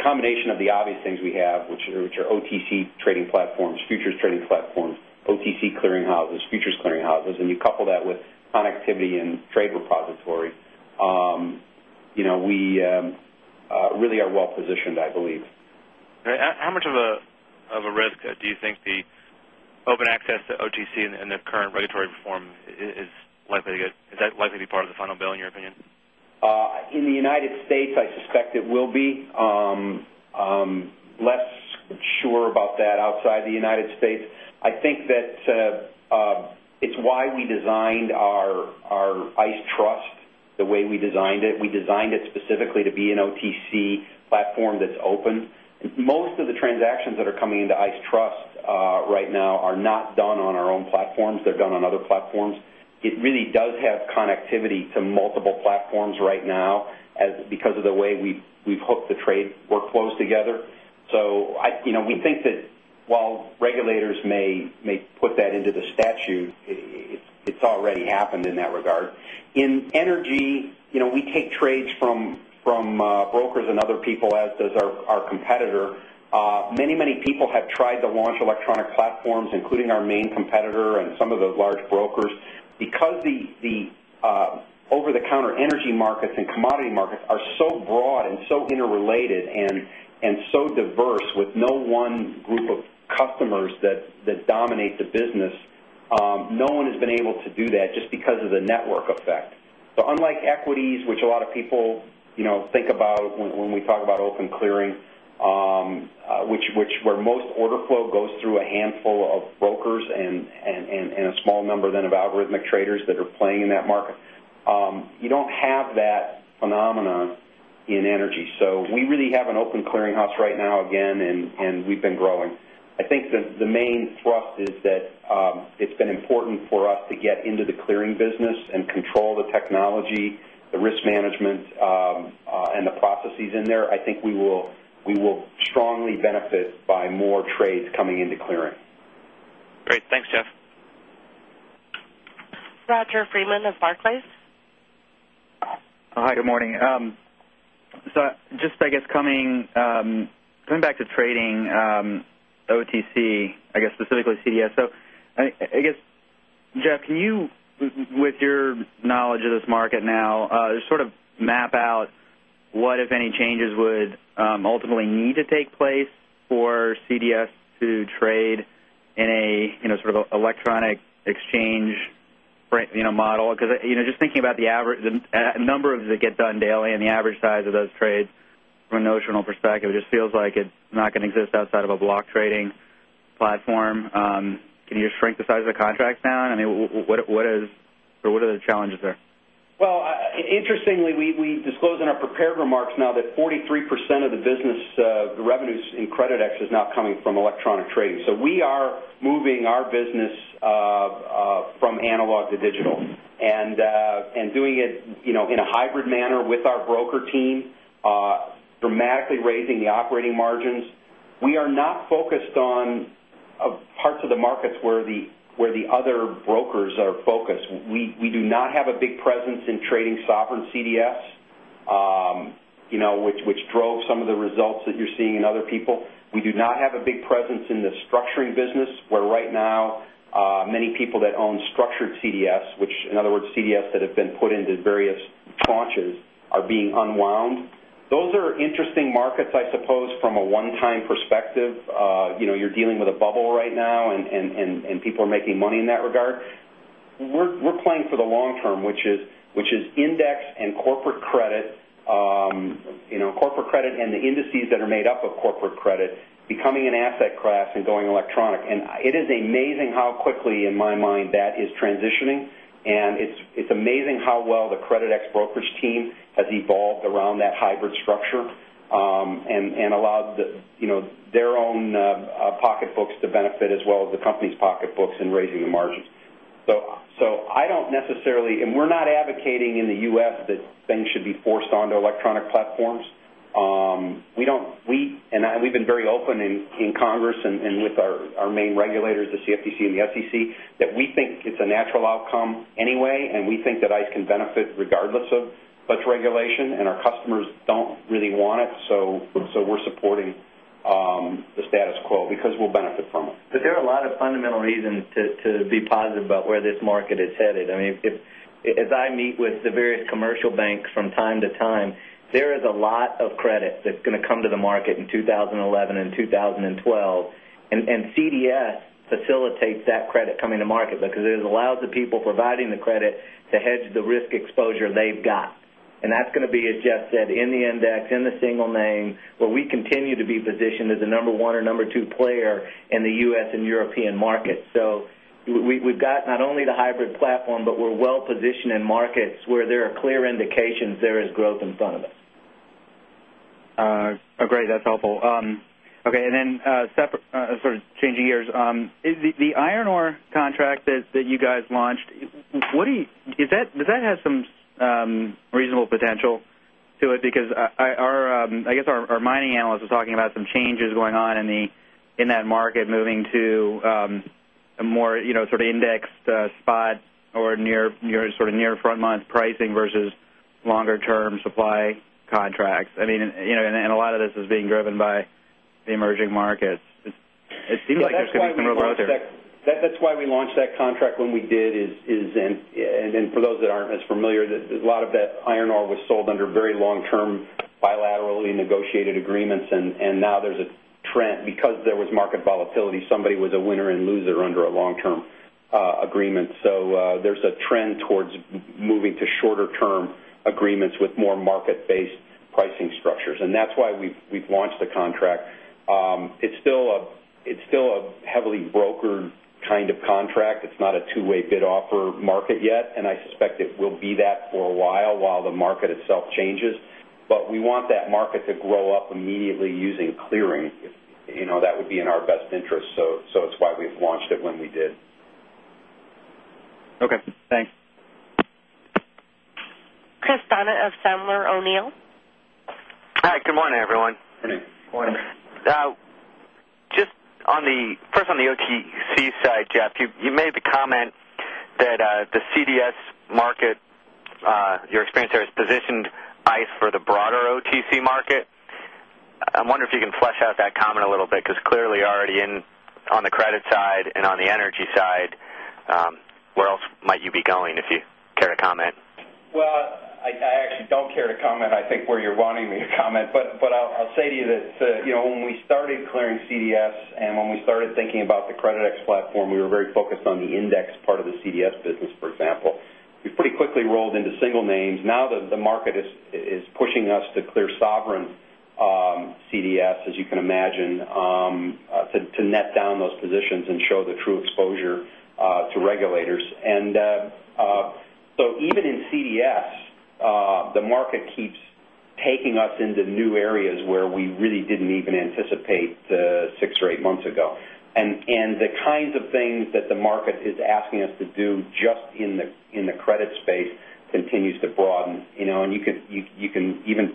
combination of the obvious things we have, which are OTC trading platforms, futures trading platforms, OTC clearing houses, futures clearing houses and you couple that with connectivity and trade repository, we really are well positioned, I believe. How much of a risk do you think the open access to OTC and the current regulatory reform is likely to get is that likely to be part of the final bill in your opinion? In the United States, I suspect it will be. Less sure about that outside the United States. I think that it's why we designed our ICE trust the way we designed it. We designed it specifically to be an OTC platform that's open. Most of the transactions that are coming into ICE Trust right now are not done on our own platforms. They're done on other platforms. It really does have connectivity to multiple platforms right now as because of the way we've hooked the trade workflows together. So we think that while regulators may put that into the statute, it's already happened in that regard. In energy, we take trades from brokers and other people as does our competitor. Many, many people have tried to launch electronic platforms including our main competitor and some of those large brokers because the over the counter energy markets and commodity markets are so broad and so interrelated and so diverse with no one group of customers that dominate the business, no one has been able to do that just because of the network effect. So unlike equities, which a lot of people think about when we talk about open clearing, which where most order flow goes through a handful of brokers and a small number then of algorithmic traders that are playing in that market. You don't have that phenomenon in energy. So we really have an open clearinghouse right now again and we've been growing. I think the main thrust is that it's been important for us to get into the clearing business and control the technology, the risk management and the processes in there. I think we will strongly benefit by more trades coming into clearing. Great. Thanks, Jeff. Roger Freeman of Barclays. Hi, good morning. So just I guess coming back to trading OTC, I guess specifically CDS. So I guess Jeff can you with your knowledge of this market now just sort of map out what if any changes would ultimately need to take place for CDS to trade in a sort of electronic exchange model? Because just thinking about the average number of that get done daily and the average size of those trades from a notional perspective, it just feels like it's not going to exist outside of a block trading platform. Can you just shrink the size of the contracts down? I mean what is or what are the challenges there? Well, interestingly, we disclosed in our prepared remarks now that 43 percent of the business revenues in Creditex is now coming from electronic trading. So we are moving our business from analog to digital and doing it in a hybrid manner with our broker team, dramatically raising the operating margins. We are not focused on parts of the markets where the other brokers are focused. We do not have a big presence in trading sovereign CDS, which drove some of the results that you're seeing in other people. We do not have a big presence in the structuring business where right now many people that own structured CDS, which in other words CDS that have been put into various launches are being unwound. Those are interesting markets, I suppose, from a one time perspective. You're dealing with a bubble right now and people making money in that regard. We're playing for the long term, which is index and corporate credit. Corporate credit and the indices that are made up of corporate credit becoming an asset class and going electronic. And it is amazing how quickly in my mind that is transitioning and it's amazing how well the CreditX Brokerage team has evolved around that hybrid structure and allowed their own pocketbooks to benefit as well as the company's pocketbooks in raising the margins. So I don't necessarily and we're not advocating in the U. S. That things should be forced onto electronic platforms. We don't we and we've been very open in Congress and with our main regulators, the CFTC and the SEC that we think it's a natural outcome anyway and we think that ICE can benefit regardless of such regulation and our customers don't really want it. So we're supporting the status quo because we'll benefit from it. But there are a lot of fundamental reasons to be positive about where this market is headed. I mean, as I meet with the various commercial banks from time to time, there is a lot of credit that's going to come to the market in 2011 2012. And CDS facilitates that credit coming to market because it allows the people providing the credit to hedge the risk exposure they've got. And that's going to be as Jeff said in the index in the single name where we continue to be positioned as the number 1 or number 2 player in the U. S. And European markets. So we've got not only the hybrid platform, but we're well positioned in markets where there are clear indications there is growth in front of us. Okay. That's helpful. Okay. And then separate sort of changing gears, the iron ore contract that you guys launched, what do you does that have some reasonable potential to it? Because I guess our mining analysts are talking about some changes going on in that market moving to a more sort of indexed spot or near sort of near front month pricing versus longer term supply contracts? I mean and a lot of this is being driven by the emerging markets. It seems like there's going to be some real growth there. That's why we launched that contract when we did is and for those that aren't as familiar, there's a lot of that iron ore was sold under very long term bilaterally negotiated agreements and now there's a trend because there was market volatility somebody was a winner and loser under a long term agreement. So there's a trend towards moving to shorter term agreements with more market based pricing structures. And that's why we've launched the contract. It's still a heavily brokered kind of contract. It's not a two way bid offer market yet and I suspect it will be that for a while, while the market itself changes. But we want that market to grow up immediately using clearing. That would be in our best interest. So it's why we've launched it when we did. Okay. Thanks. Chris Donat of Sandler O'Neill. Hi. Good morning, everyone. Good morning. Good morning. Just on the first on the OTC side, Jeff, you made the comment that the CDS market, your experience there has positioned ICE for the broader OTC market. I'm wondering if you can flesh out that comment a little bit because clearly already in on the credit side and on the energy side, where else might you be going if you care to comment? Well, I actually don't care to comment. I think where you're wanting me to comment, but I'll say to you that when we started clearing CDS and when we started thinking about the CreditX platform, we were very CDS as you can imagine to net down those positions and show the true exposure to regulators. And so even in CDS, the market keeps taking us into new areas where we really didn't continues to broaden continues to broaden. And you can even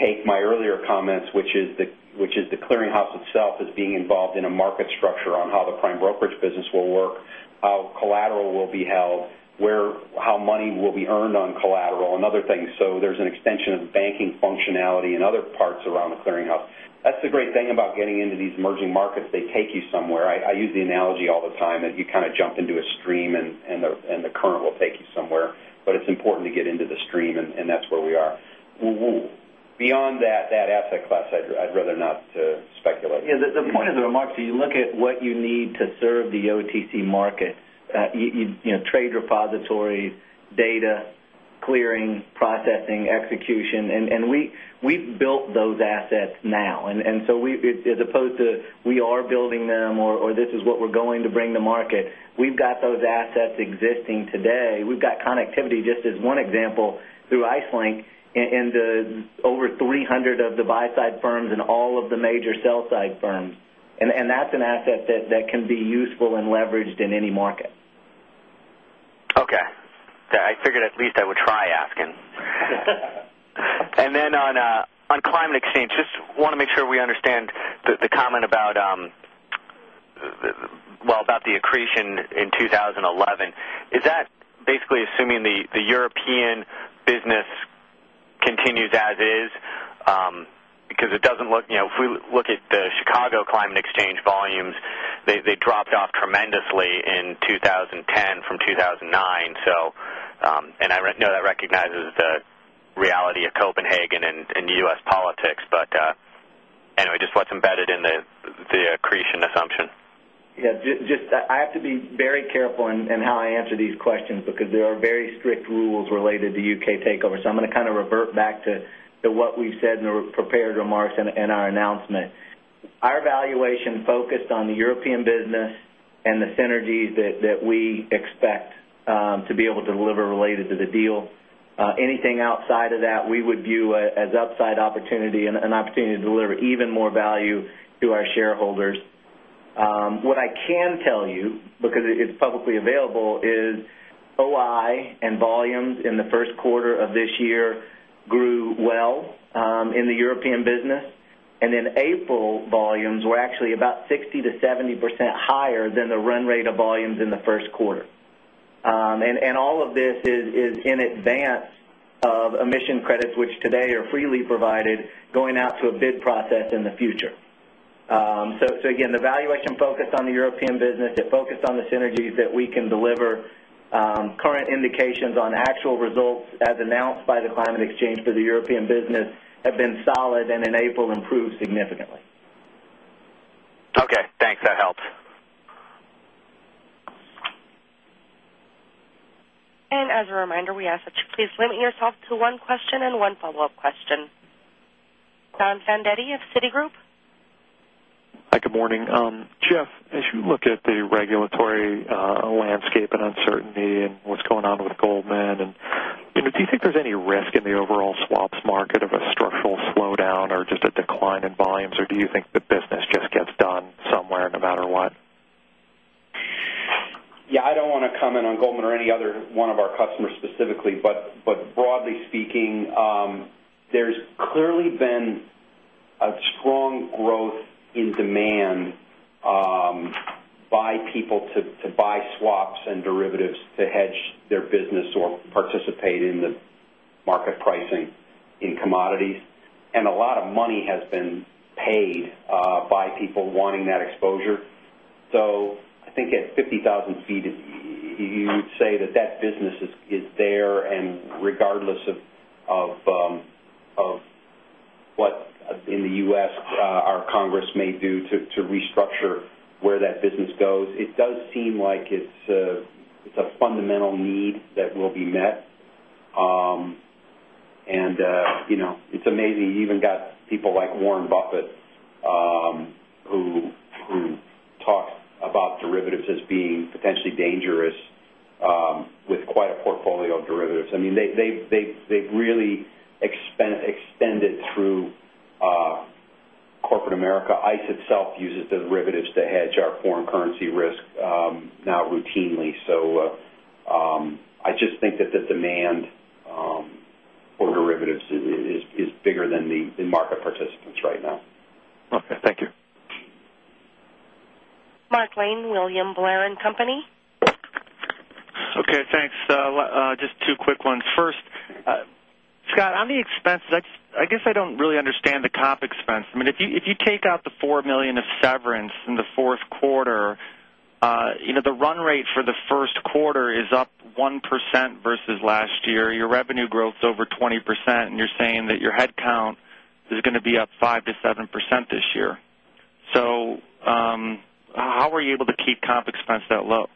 take my earlier comments, which is the clearinghouse itself is being involved in a market structure on how the prime brokerage business will work, how collateral will be held, where how money will be earned on collateral and other things. So there's an extension of banking functionality and other parts around the clearinghouse. That's the great thing about getting into these emerging markets. They take you somewhere. I use the analogy all the time that you kind of jump into a stream and the current will take you somewhere. But it's important to get into the stream and that's where we are. Beyond that asset class, I'd rather not speculate. Yes. The point of the remarks, if you look at what you need to serve the OTC market, trade repositories, data, clearing, processing, execution and we've built those assets now. And so we as opposed to we are building them or this is what we're going to bring to market, we've got those assets existing today. We've got connectivity just as one example through IceLink and over 300 of the buy side firms and all of the major sell side firms. And that's an asset that can be useful and leveraged in any market. Okay. I figured at least I would try asking. And then on Climate Exchange, just want to make sure we understand the comment about well, about the accretion in 2011. Is that basically assuming the European business continues as is, because it doesn't look if we look at the Chicago Climate Exchange volumes, they dropped off tremendously in 20 10 from 2,009. So, and I know that recognizes the reality of Copenhagen in U. S. Politics, but anyway just what's embedded in the accretion assumption? Yes. Just I have to be very careful in how I answer these questions because there are very strict rules related to U. K. Takeover. So I'm going to kind of revert back to what we've said in the prepared remarks and our announcement. Our valuation focused on the European business and the synergies that we expect to be able to deliver related to the deal. Anything outside of that, we would view as outside opportunity and an opportunity to deliver even more value to our shareholders. What I can tell you because it's publicly available is OI and volumes in the Q1 of this year grew well in the European business. And then April volumes were actually about 60% to 70% higher than the run rate of volumes in the first quarter. And all of this is in advance of emission credits, which today are freely provided going out to a bid process in the future. So again, the valuation focused on the European business, it focused on the synergies that we can deliver. Current indications on actual results as announced by the Climate Exchange for the European business have been solid and in April improved significantly. Okay. Thanks. That helps. John Fandetti of Citigroup. Hi, good morning. Jeff, as you look at the regulatory landscape and uncertainty and what's going on with Goldman? And do you think there's any risk in the overall swaps market of a structural slowdown or just a decline in volumes? Or do you think the business just gets done somewhere no matter what? Yes. I don't want to comment on Goldman or any other one of our customers specifically. But broadly speaking, there's clearly been a strong growth in demand by people to buy swaps and derivatives to hedge their business or participate in the market pricing in commodities. And a lot of money has been paid by people wanting that exposure. So I think at 50,000 feet, you would say that that business is there and regardless of what in the U. S. Our Congress may do to restructure where that business goes, it does seem like it's a fundamental need that will be met. And it's amazing even got people like Warren Buffett, who talks about derivatives as being potentially dangerous with quite a portfolio of derivatives. I mean they've really extended through Corporate America. ICE itself uses derivatives to hedge our foreign currency risk now routinely. So I just think that the demand for derivatives is bigger than the market participants right now. Okay. Thank you. Mark Lane, William Blair and Company. Okay. Thanks. Just two quick ones. First, Scott, on the expenses, I guess I don't really understand the comp expense. I mean, if you take out the $4,000,000 of severance in the 4th quarter, the run rate for the Q1 is up 1% versus last year. Your revenue growth is over 20% and you're saying that your headcount is going to be up 5% to 7% this year. So, how are you able to keep comp expense that low?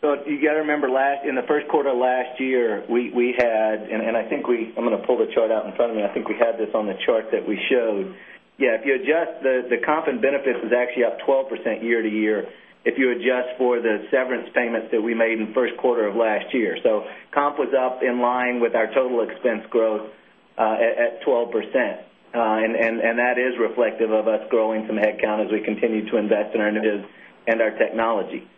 So, you got to remember last in the Q1 last year we had and I think we I'm going to pull the chart out in front of me. I think we had this on the chart that we showed. Yes, if you adjust the comp and benefits is actually up 12 percent year to year if you adjust for the severance payments that we made in Q1 of last year. So comp was up in line with our total expense growth at 12 percent. And that is reflective of us growing some headcount as we continue to invest in our initiatives and our technology.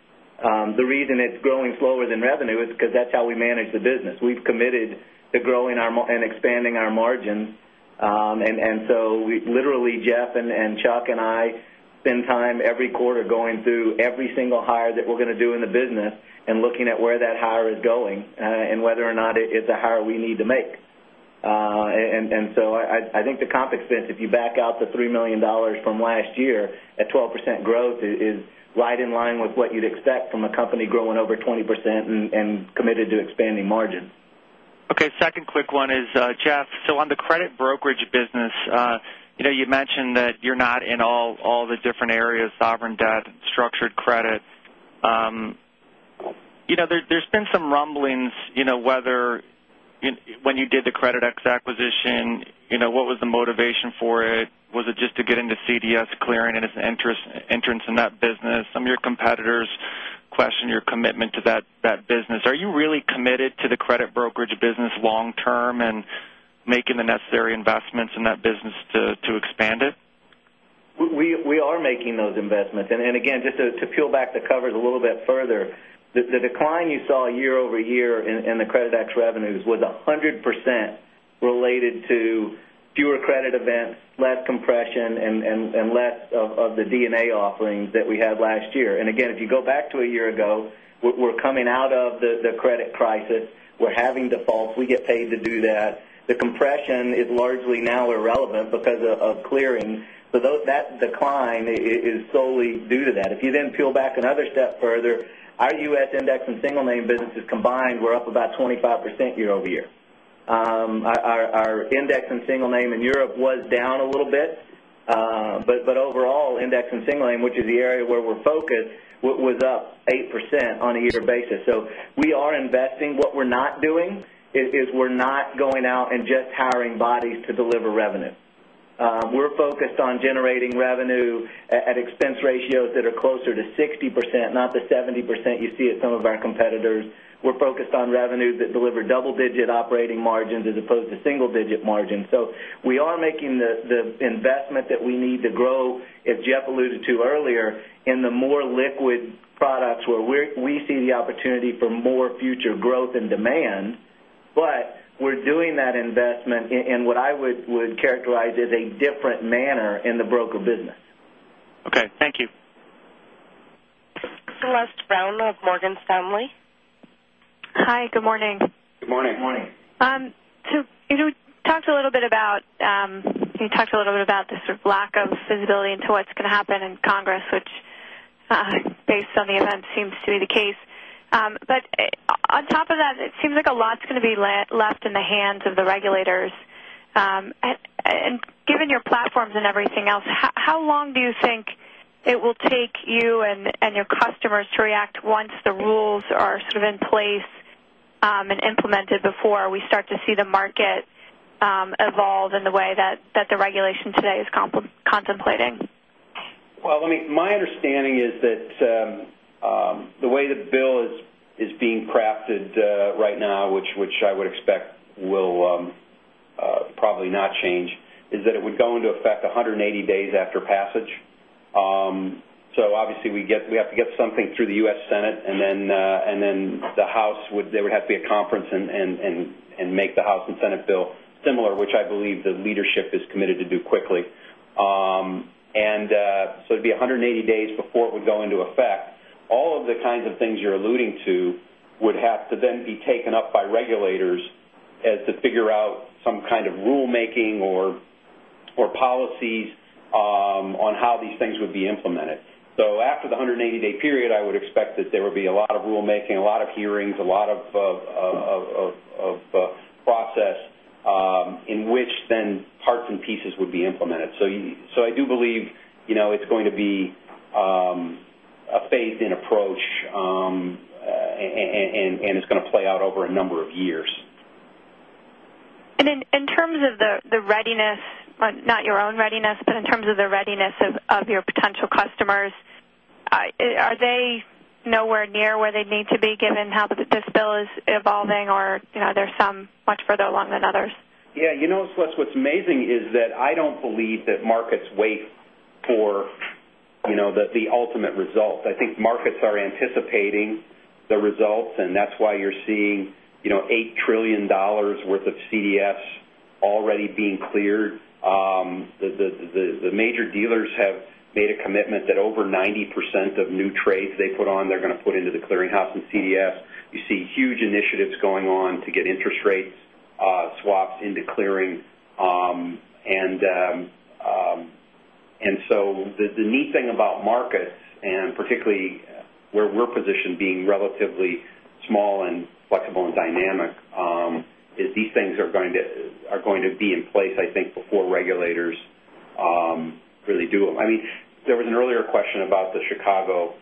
The reason it's growing slower than revenue is because that's how we manage the business. We've committed to growing and expanding our margins. And so we literally Jeff and Chuck and I spend time every quarter going through every single hire that we're going to do in the business and looking at where that hire is going and whether or not it's a hire we need to make. And so I think the comp expense if you back out the $3,000,000 from last year, a 12% growth is right in line with what you'd expect from a company growing over 20% and committed to expanding margin. Okay. 2nd quick one is, Jeff. So on the credit brokerage business, you mentioned that you're not in all the different areas, sovereign debt, Structured Credit. There's been some rumblings whether when you did the Creditex acquisition, what was the motivation for it? Was it just to get into CDS clearing and its entrance in that business? Some of your competitors question your commitment to that business. Are you really committed to the credit brokerage business long term and making the necessary investments in that business to expand it? We are making those investments. And again just to peel back the covers a little bit further, the decline you saw year over year in the credit tax revenues was 100% related to fewer credit events, less compression and less of the D and A offerings that we had last year. And again, if you go back to a year ago, we're coming out of the credit crisis. We're having defaults. We get paid to do that. The compression is largely now irrelevant because of clearing. So that decline is solely due to that. If you then peel back another step further, our U. S. Index and single name businesses combined were up about 25% year over year. Our index and single name in Europe was down a little bit. But overall index and single name which is the area where we're focused was up 8% on a year basis. So we are investing. What we're not doing is we're not going out and just hiring bodies to deliver revenue. We're focused on generating revenue at expense ratios that are closer to 60%, not the 70% you see at some of our competitors. We're focused on revenues that deliver double digit operating margins as opposed to single digit margins. So we are making the investment that we need to grow, as Jeff alluded to earlier, in the more liquid products where we see the opportunity for more future growth in demand. But we're doing that investment in what I would characterize as a different manner in the broker business. Okay. Thank you. Celeste Brown of Morgan Stanley. Hi, good morning. Good morning. Good morning. So you talked a little bit about the sort of lack of visibility into what's going to happen in Congress, which based on the event seems to be the case. But on top of that, it seems like a lot is going to be left in the hands of the regulators. And given your platforms and everything else, how long do you think it will take you and your customers to react once the rules are sort of in place, and implemented before we start to see the market evolve in the way that the regulation today is contemplating? Well, I mean my understanding is that the way the bill is being crafted right now, which I would expect will probably not change is that it would go into effect 180 days after passage. So obviously, we have to get something through the U. S. Senate and then the House there would have to be a conference and make the House and Senate bill similar, which I believe the leadership is committed to do quickly. And so it would be 180 days before it would go into effect. All of the kinds of things you're alluding to would have to then be taken up by regulators as to figure out some kind of rulemaking or policies on how these things would be implemented. So after the 180 day period, I would expect that there will be a lot of rulemaking, a lot of hearings, a lot of process in which then parts and pieces would be implemented. So I do believe it's going to be a phased in approach and it's going to play out over a number of years. And then in terms of the readiness, not your own readiness, but in terms of the readiness of your potential customers, are they nowhere near where they need to be given how this bill is evolving or are there some much further along than others? Yes. You know Celeste, what's amazing is that I don't believe that markets wait for the ultimate result. I think markets are anticipating the results and that's why you're seeing $8,000,000,000,000 worth of CDFs already being cleared. The major dealers have made a commitment that over 90% of new trades they put on they're going to put into the clearinghouse and CDF. You see huge initiatives going on to get interest rates swaps into clearing. And so the neat thing about markets and particularly where we're positioned being relatively small and flexible and dynamic is these things are going to be in place I think before regulators really do. I mean there was an earlier question about the Chicago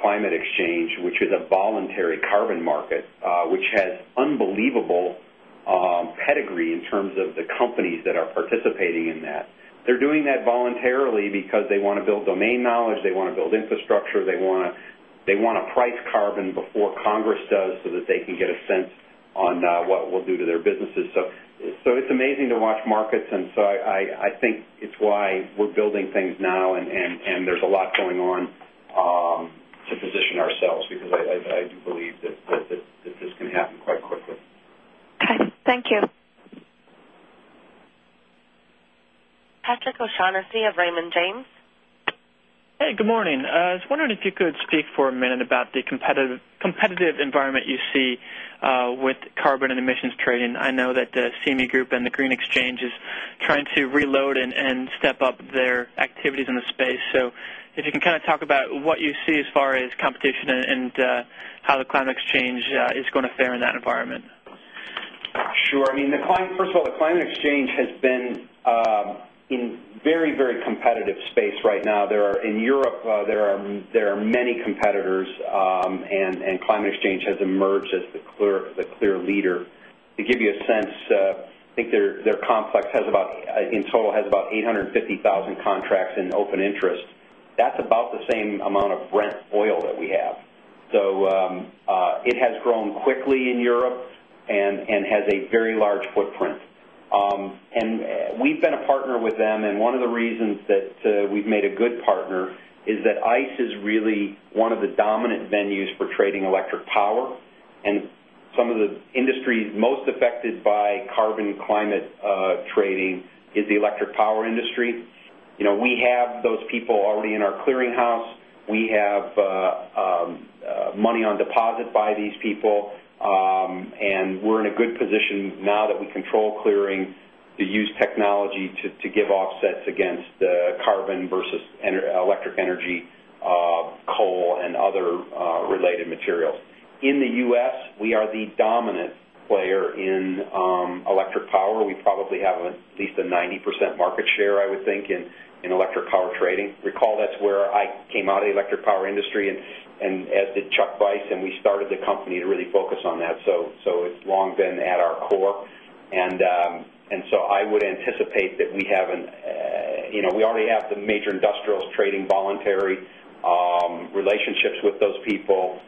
Climate Exchange, which is a voluntary carbon market, which has unbelievable pedigree in terms of the companies that are participating in that. They're doing that voluntarily because they want to build domain knowledge, they want to build infrastructure, they want to price carbon before Congress does so that they can get a sense on what we'll do to their businesses. So it's amazing to watch markets. And so I think it's why we're building things now and there's a lot going on to position ourselves because I do believe that this can happen quite quickly. Okay. Thank you. Patrick O'Shaughnessy of Raymond James. Hey, good morning. I was wondering if you could speak for a minute about the competitive environment you see with carbon and emissions trading. I know that the CME Group and the Green Exchange is trying to reload and step up their activities in the space. So if you can kind of talk about what you see as far as competition and how the Climate Exchange is going to fare in that environment? Sure. I mean the client first of all, the Climate Exchange has been in very, very competitive space right now. There are in Europe, there are many competitors and climate exchange has emerged as the clear leader. To give you a sense, I think their complex has about in total has about 850,000 contracts in open interest. That's about the same amount of Brent oil that we have. So it has grown quickly in Europe and has a very large footprint. And we've been a partner with them and one of the reasons that we've made a good partner is that ICE is really one of the dominant venues for trading electric power And some of the industries most affected by carbon climate trading is the electric power industry. We have those people already in our clearinghouse. We have money on deposit by these people and we're in a good position now that we control clearing to use technology to give offsets the carbon versus electric energy, coal and other related materials. In the U. S, we are the dominant player in electric power. We probably have at least a 90% market share, I would think, in electric power trading. Recall that's where I came out of the electric power industry and as did Chuck Weiss and we started the company to really focus on that. So it's long been at our core. And so I would anticipate that we haven't we already have the major industrials trading voluntary relationships with those people.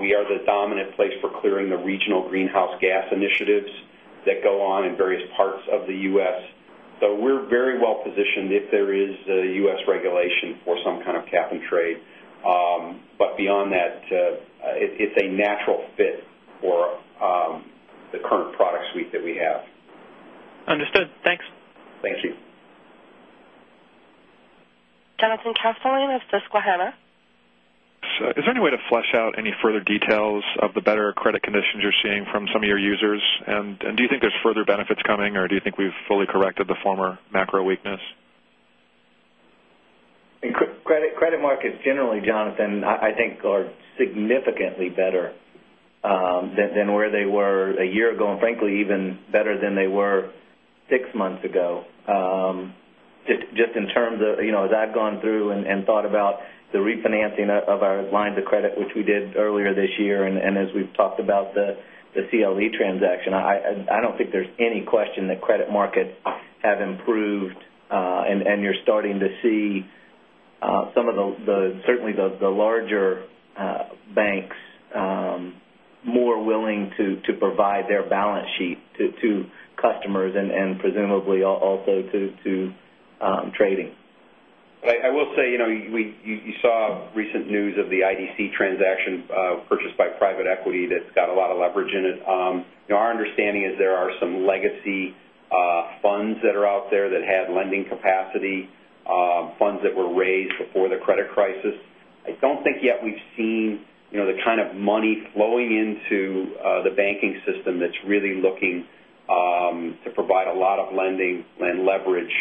We are the dominant place for clearing the regional greenhouse gas initiatives that go on in various parts of the U. S. So we're very well positioned if there is U. S. Regulation for some kind of cap and trade. But beyond that, it's a natural fit for the current product suite that we have. Understood. Thanks. Thank you. Jonathan Castellan of Susquehanna. Is there any way to flesh out any further details of the better credit conditions you're seeing from some of your users? And do you think there's further benefits coming? Or do you think we've fully corrected the former macro weakness? Credit markets generally Jonathan I think are significantly better than where they were a year ago and frankly even better than they were 6 months ago. Just in terms of as I've gone through and thought about the refinancing of our lines of credit, which we did earlier this year. And as we've talked about the CLE transaction, I don't think there's any question that credit markets have improved and you're starting to see some of the certainly the larger banks more willing to provide their balance sheet to customers and presumably also to trading. I will say, you saw recent news of the IDC transaction purchased by private equity that's got a lot of leverage in it. Our understanding is there are some legacy funds that are out there that have lending capacity, funds that were raised before the credit crisis. I don't think yet we've seen the kind of money flowing into the banking system that's really looking to provide a lot of lending and leverage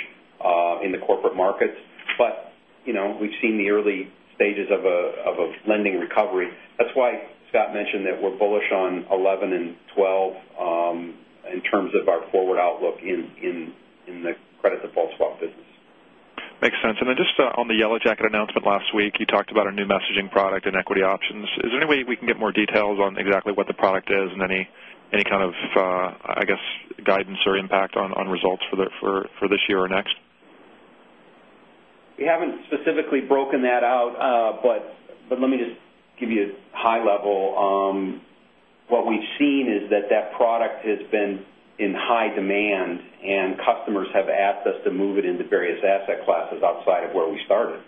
in the corporate markets. But we've seen the early stages of a lending recovery. That's why Scott mentioned that we're bullish on 201112 in terms of our forward outlook in the credit default swap business. Makes sense. And then just on the Yellow Jacket announcement last week, you talked about our new messaging product and equity Is there any way we can get more details on exactly what the product is and any kind of, I guess, guidance or impact on results for this year or next? We haven't specifically broken that out, but let me just give you a high level. What we've seen is that, that product has been in high demand and customers have asked us to move it into various asset classes outside of where we started.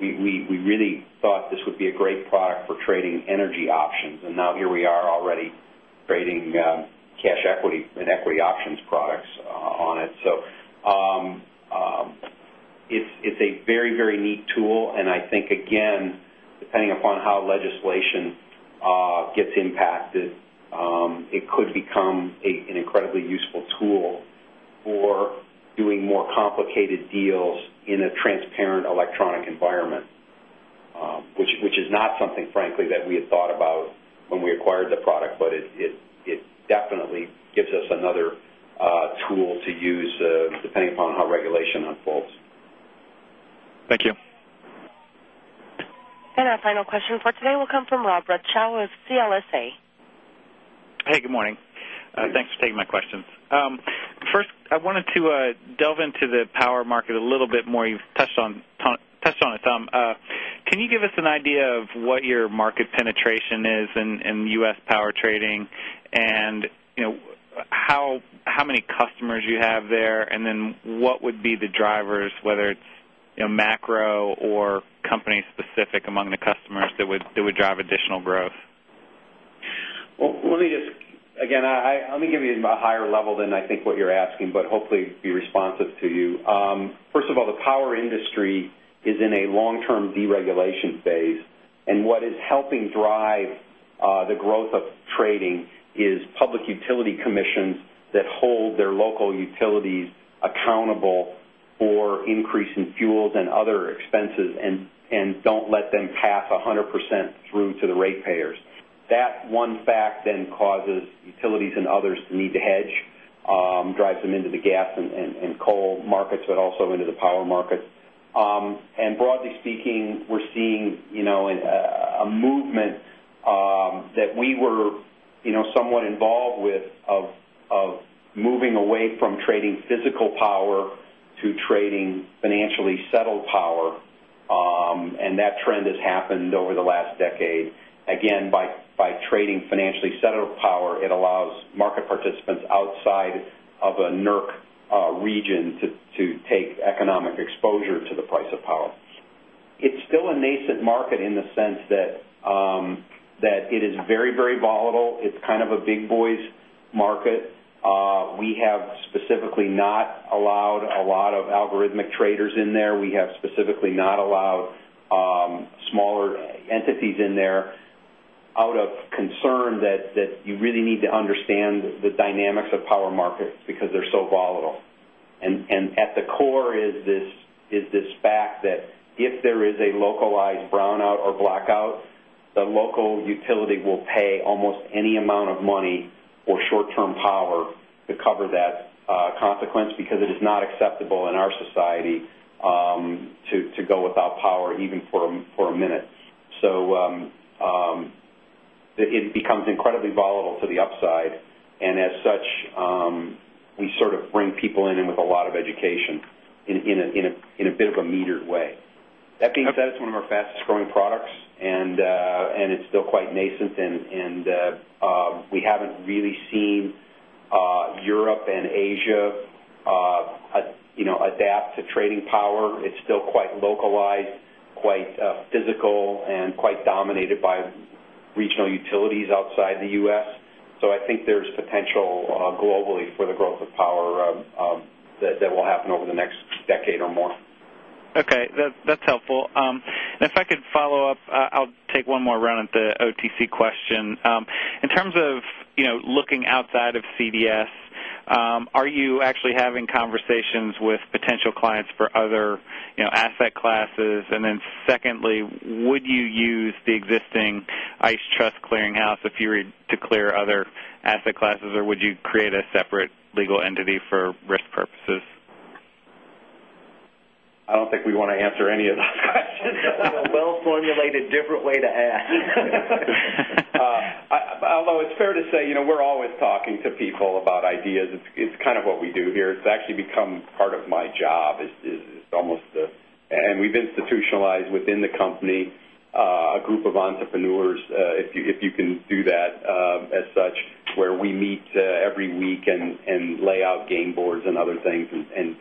We really thought this would be a great product for trading energy options and now here we are already trading cash equity and equity options products on it. So it's a very, very neat tool. And I think again, depending upon how legislation gets impacted, it could become an incredibly useful tool for doing more complicated deals in a transparent electronic environment, which is not something frankly that we had thought about when we acquired the product, but it definitely gives us another tool to use depending upon how regulation unfolds. Thank you. And our final question for today will come from Rob Ruxow with CLSA. Hey, good morning. Thanks for taking my questions. First, I wanted to delve into the power market a little bit more. You've touched on touched on it, Tom. Can you give us an idea of what your market penetration is in U. S. Power trading? And how many customers you have there and then what would be the drivers whether it's macro or company specific among the customers that would drive additional growth? Well, let me just again, I'll give you a higher level than I think what you're asking, but hopefully be responsive to you. First of all, the power industry is in a long term deregulation phase. And what is helping drive the growth of trading is public utility commissions that hold their local utilities accountable for increase in fuels and other expenses and don't let them pass 100% through to the ratepayers. That one fact then causes utilities and others to need to hedge, drives them into the gas and coal markets, but also into the power markets. And broadly speaking, we're seeing a movement that we were somewhat involved with of moving away from trading physical power to trading financially settled power, and that trend has happened over the last decade. Again, by trading financially settled with power, it allows market participants outside of a NERC region to take economic exposure to the price of power. It's still a nascent market in the sense that it is very, very volatile. It's kind of a big boys market. We have specifically not allowed a lot of algorithmic traders in there. We have specifically not allowed smaller entities in there out of concern that you really need to understand the dynamics of power markets because they're so volatile. And at the core is this fact that if there is a localized brownout or blackout, the local utility will pay almost any amount of money or short term power to cover that consequence because it is not acceptable in our society to go without power even for a minute. So it becomes incredibly volatile to the upside. And as such, we sort of bring people in and with a lot of education in a bit of a metered way. That being said, it's one of our fastest growing products and it's still quite nascent and we haven't really seen Europe and Asia adapt to trading power. It's still quite localized, quite physical and quite dominated by regional utilities outside the U. S. So I think there's potential globally for the growth of power that will happen over the next decade or more. Okay. That's helpful. And if I could follow-up, I'll take one more run at the OTC question. In terms of looking outside of CDS, are you actually having conversations with potential clients for other asset classes? And then secondly, would you use the existing ICE Trust clearinghouse if you were to clear other asset classes? Or would you create a separate legal entity for risk purposes? I don't think we want to answer any of those questions. Well formulated different way to ask. Although it's fair to say, we're always talking to people about ideas. It's kind of what we do here. It's actually become part of my job. It's almost and we've institutionalized within the company a group of entrepreneurs if you can do that as such where we meet every week and lay out game boards and other things and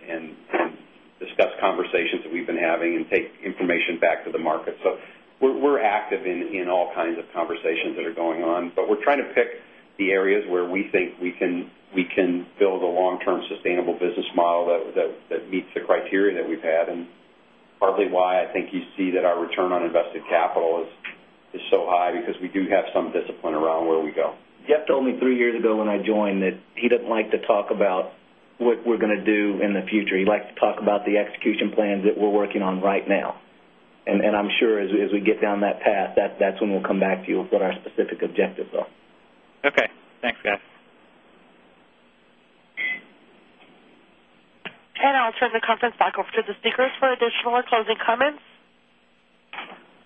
discuss conversations that we've been having and take information back to the market. So we're active in all kinds of conversations that are going on, but we're trying to pick the areas where we think we can build a long term sustainable business model that meets the criteria that we've had. And partly why I think you see that our return on invested capital is so high because we do have some discipline around where we go. Jeff told me 3 years ago when I joined that he doesn't like to talk about what we're going to do in the future. He'd like to talk about the execution plans that we're working on right now. And I'm sure as we get down that path that's when we'll come back to you with what our specific objectives are. Okay. Thanks guys. And I'll the conference back over to the speakers for additional or closing comments.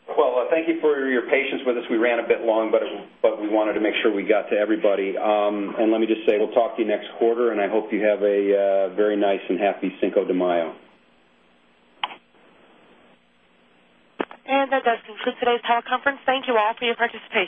Well, thank you for your patience with us. We ran a bit long, but we wanted to make sure we got to everybody. And let me just say, we'll talk to you next quarter and I hope you have a very nice and happy Cinco de Mayo. And that does conclude today's teleconference. Thank you all for your participation.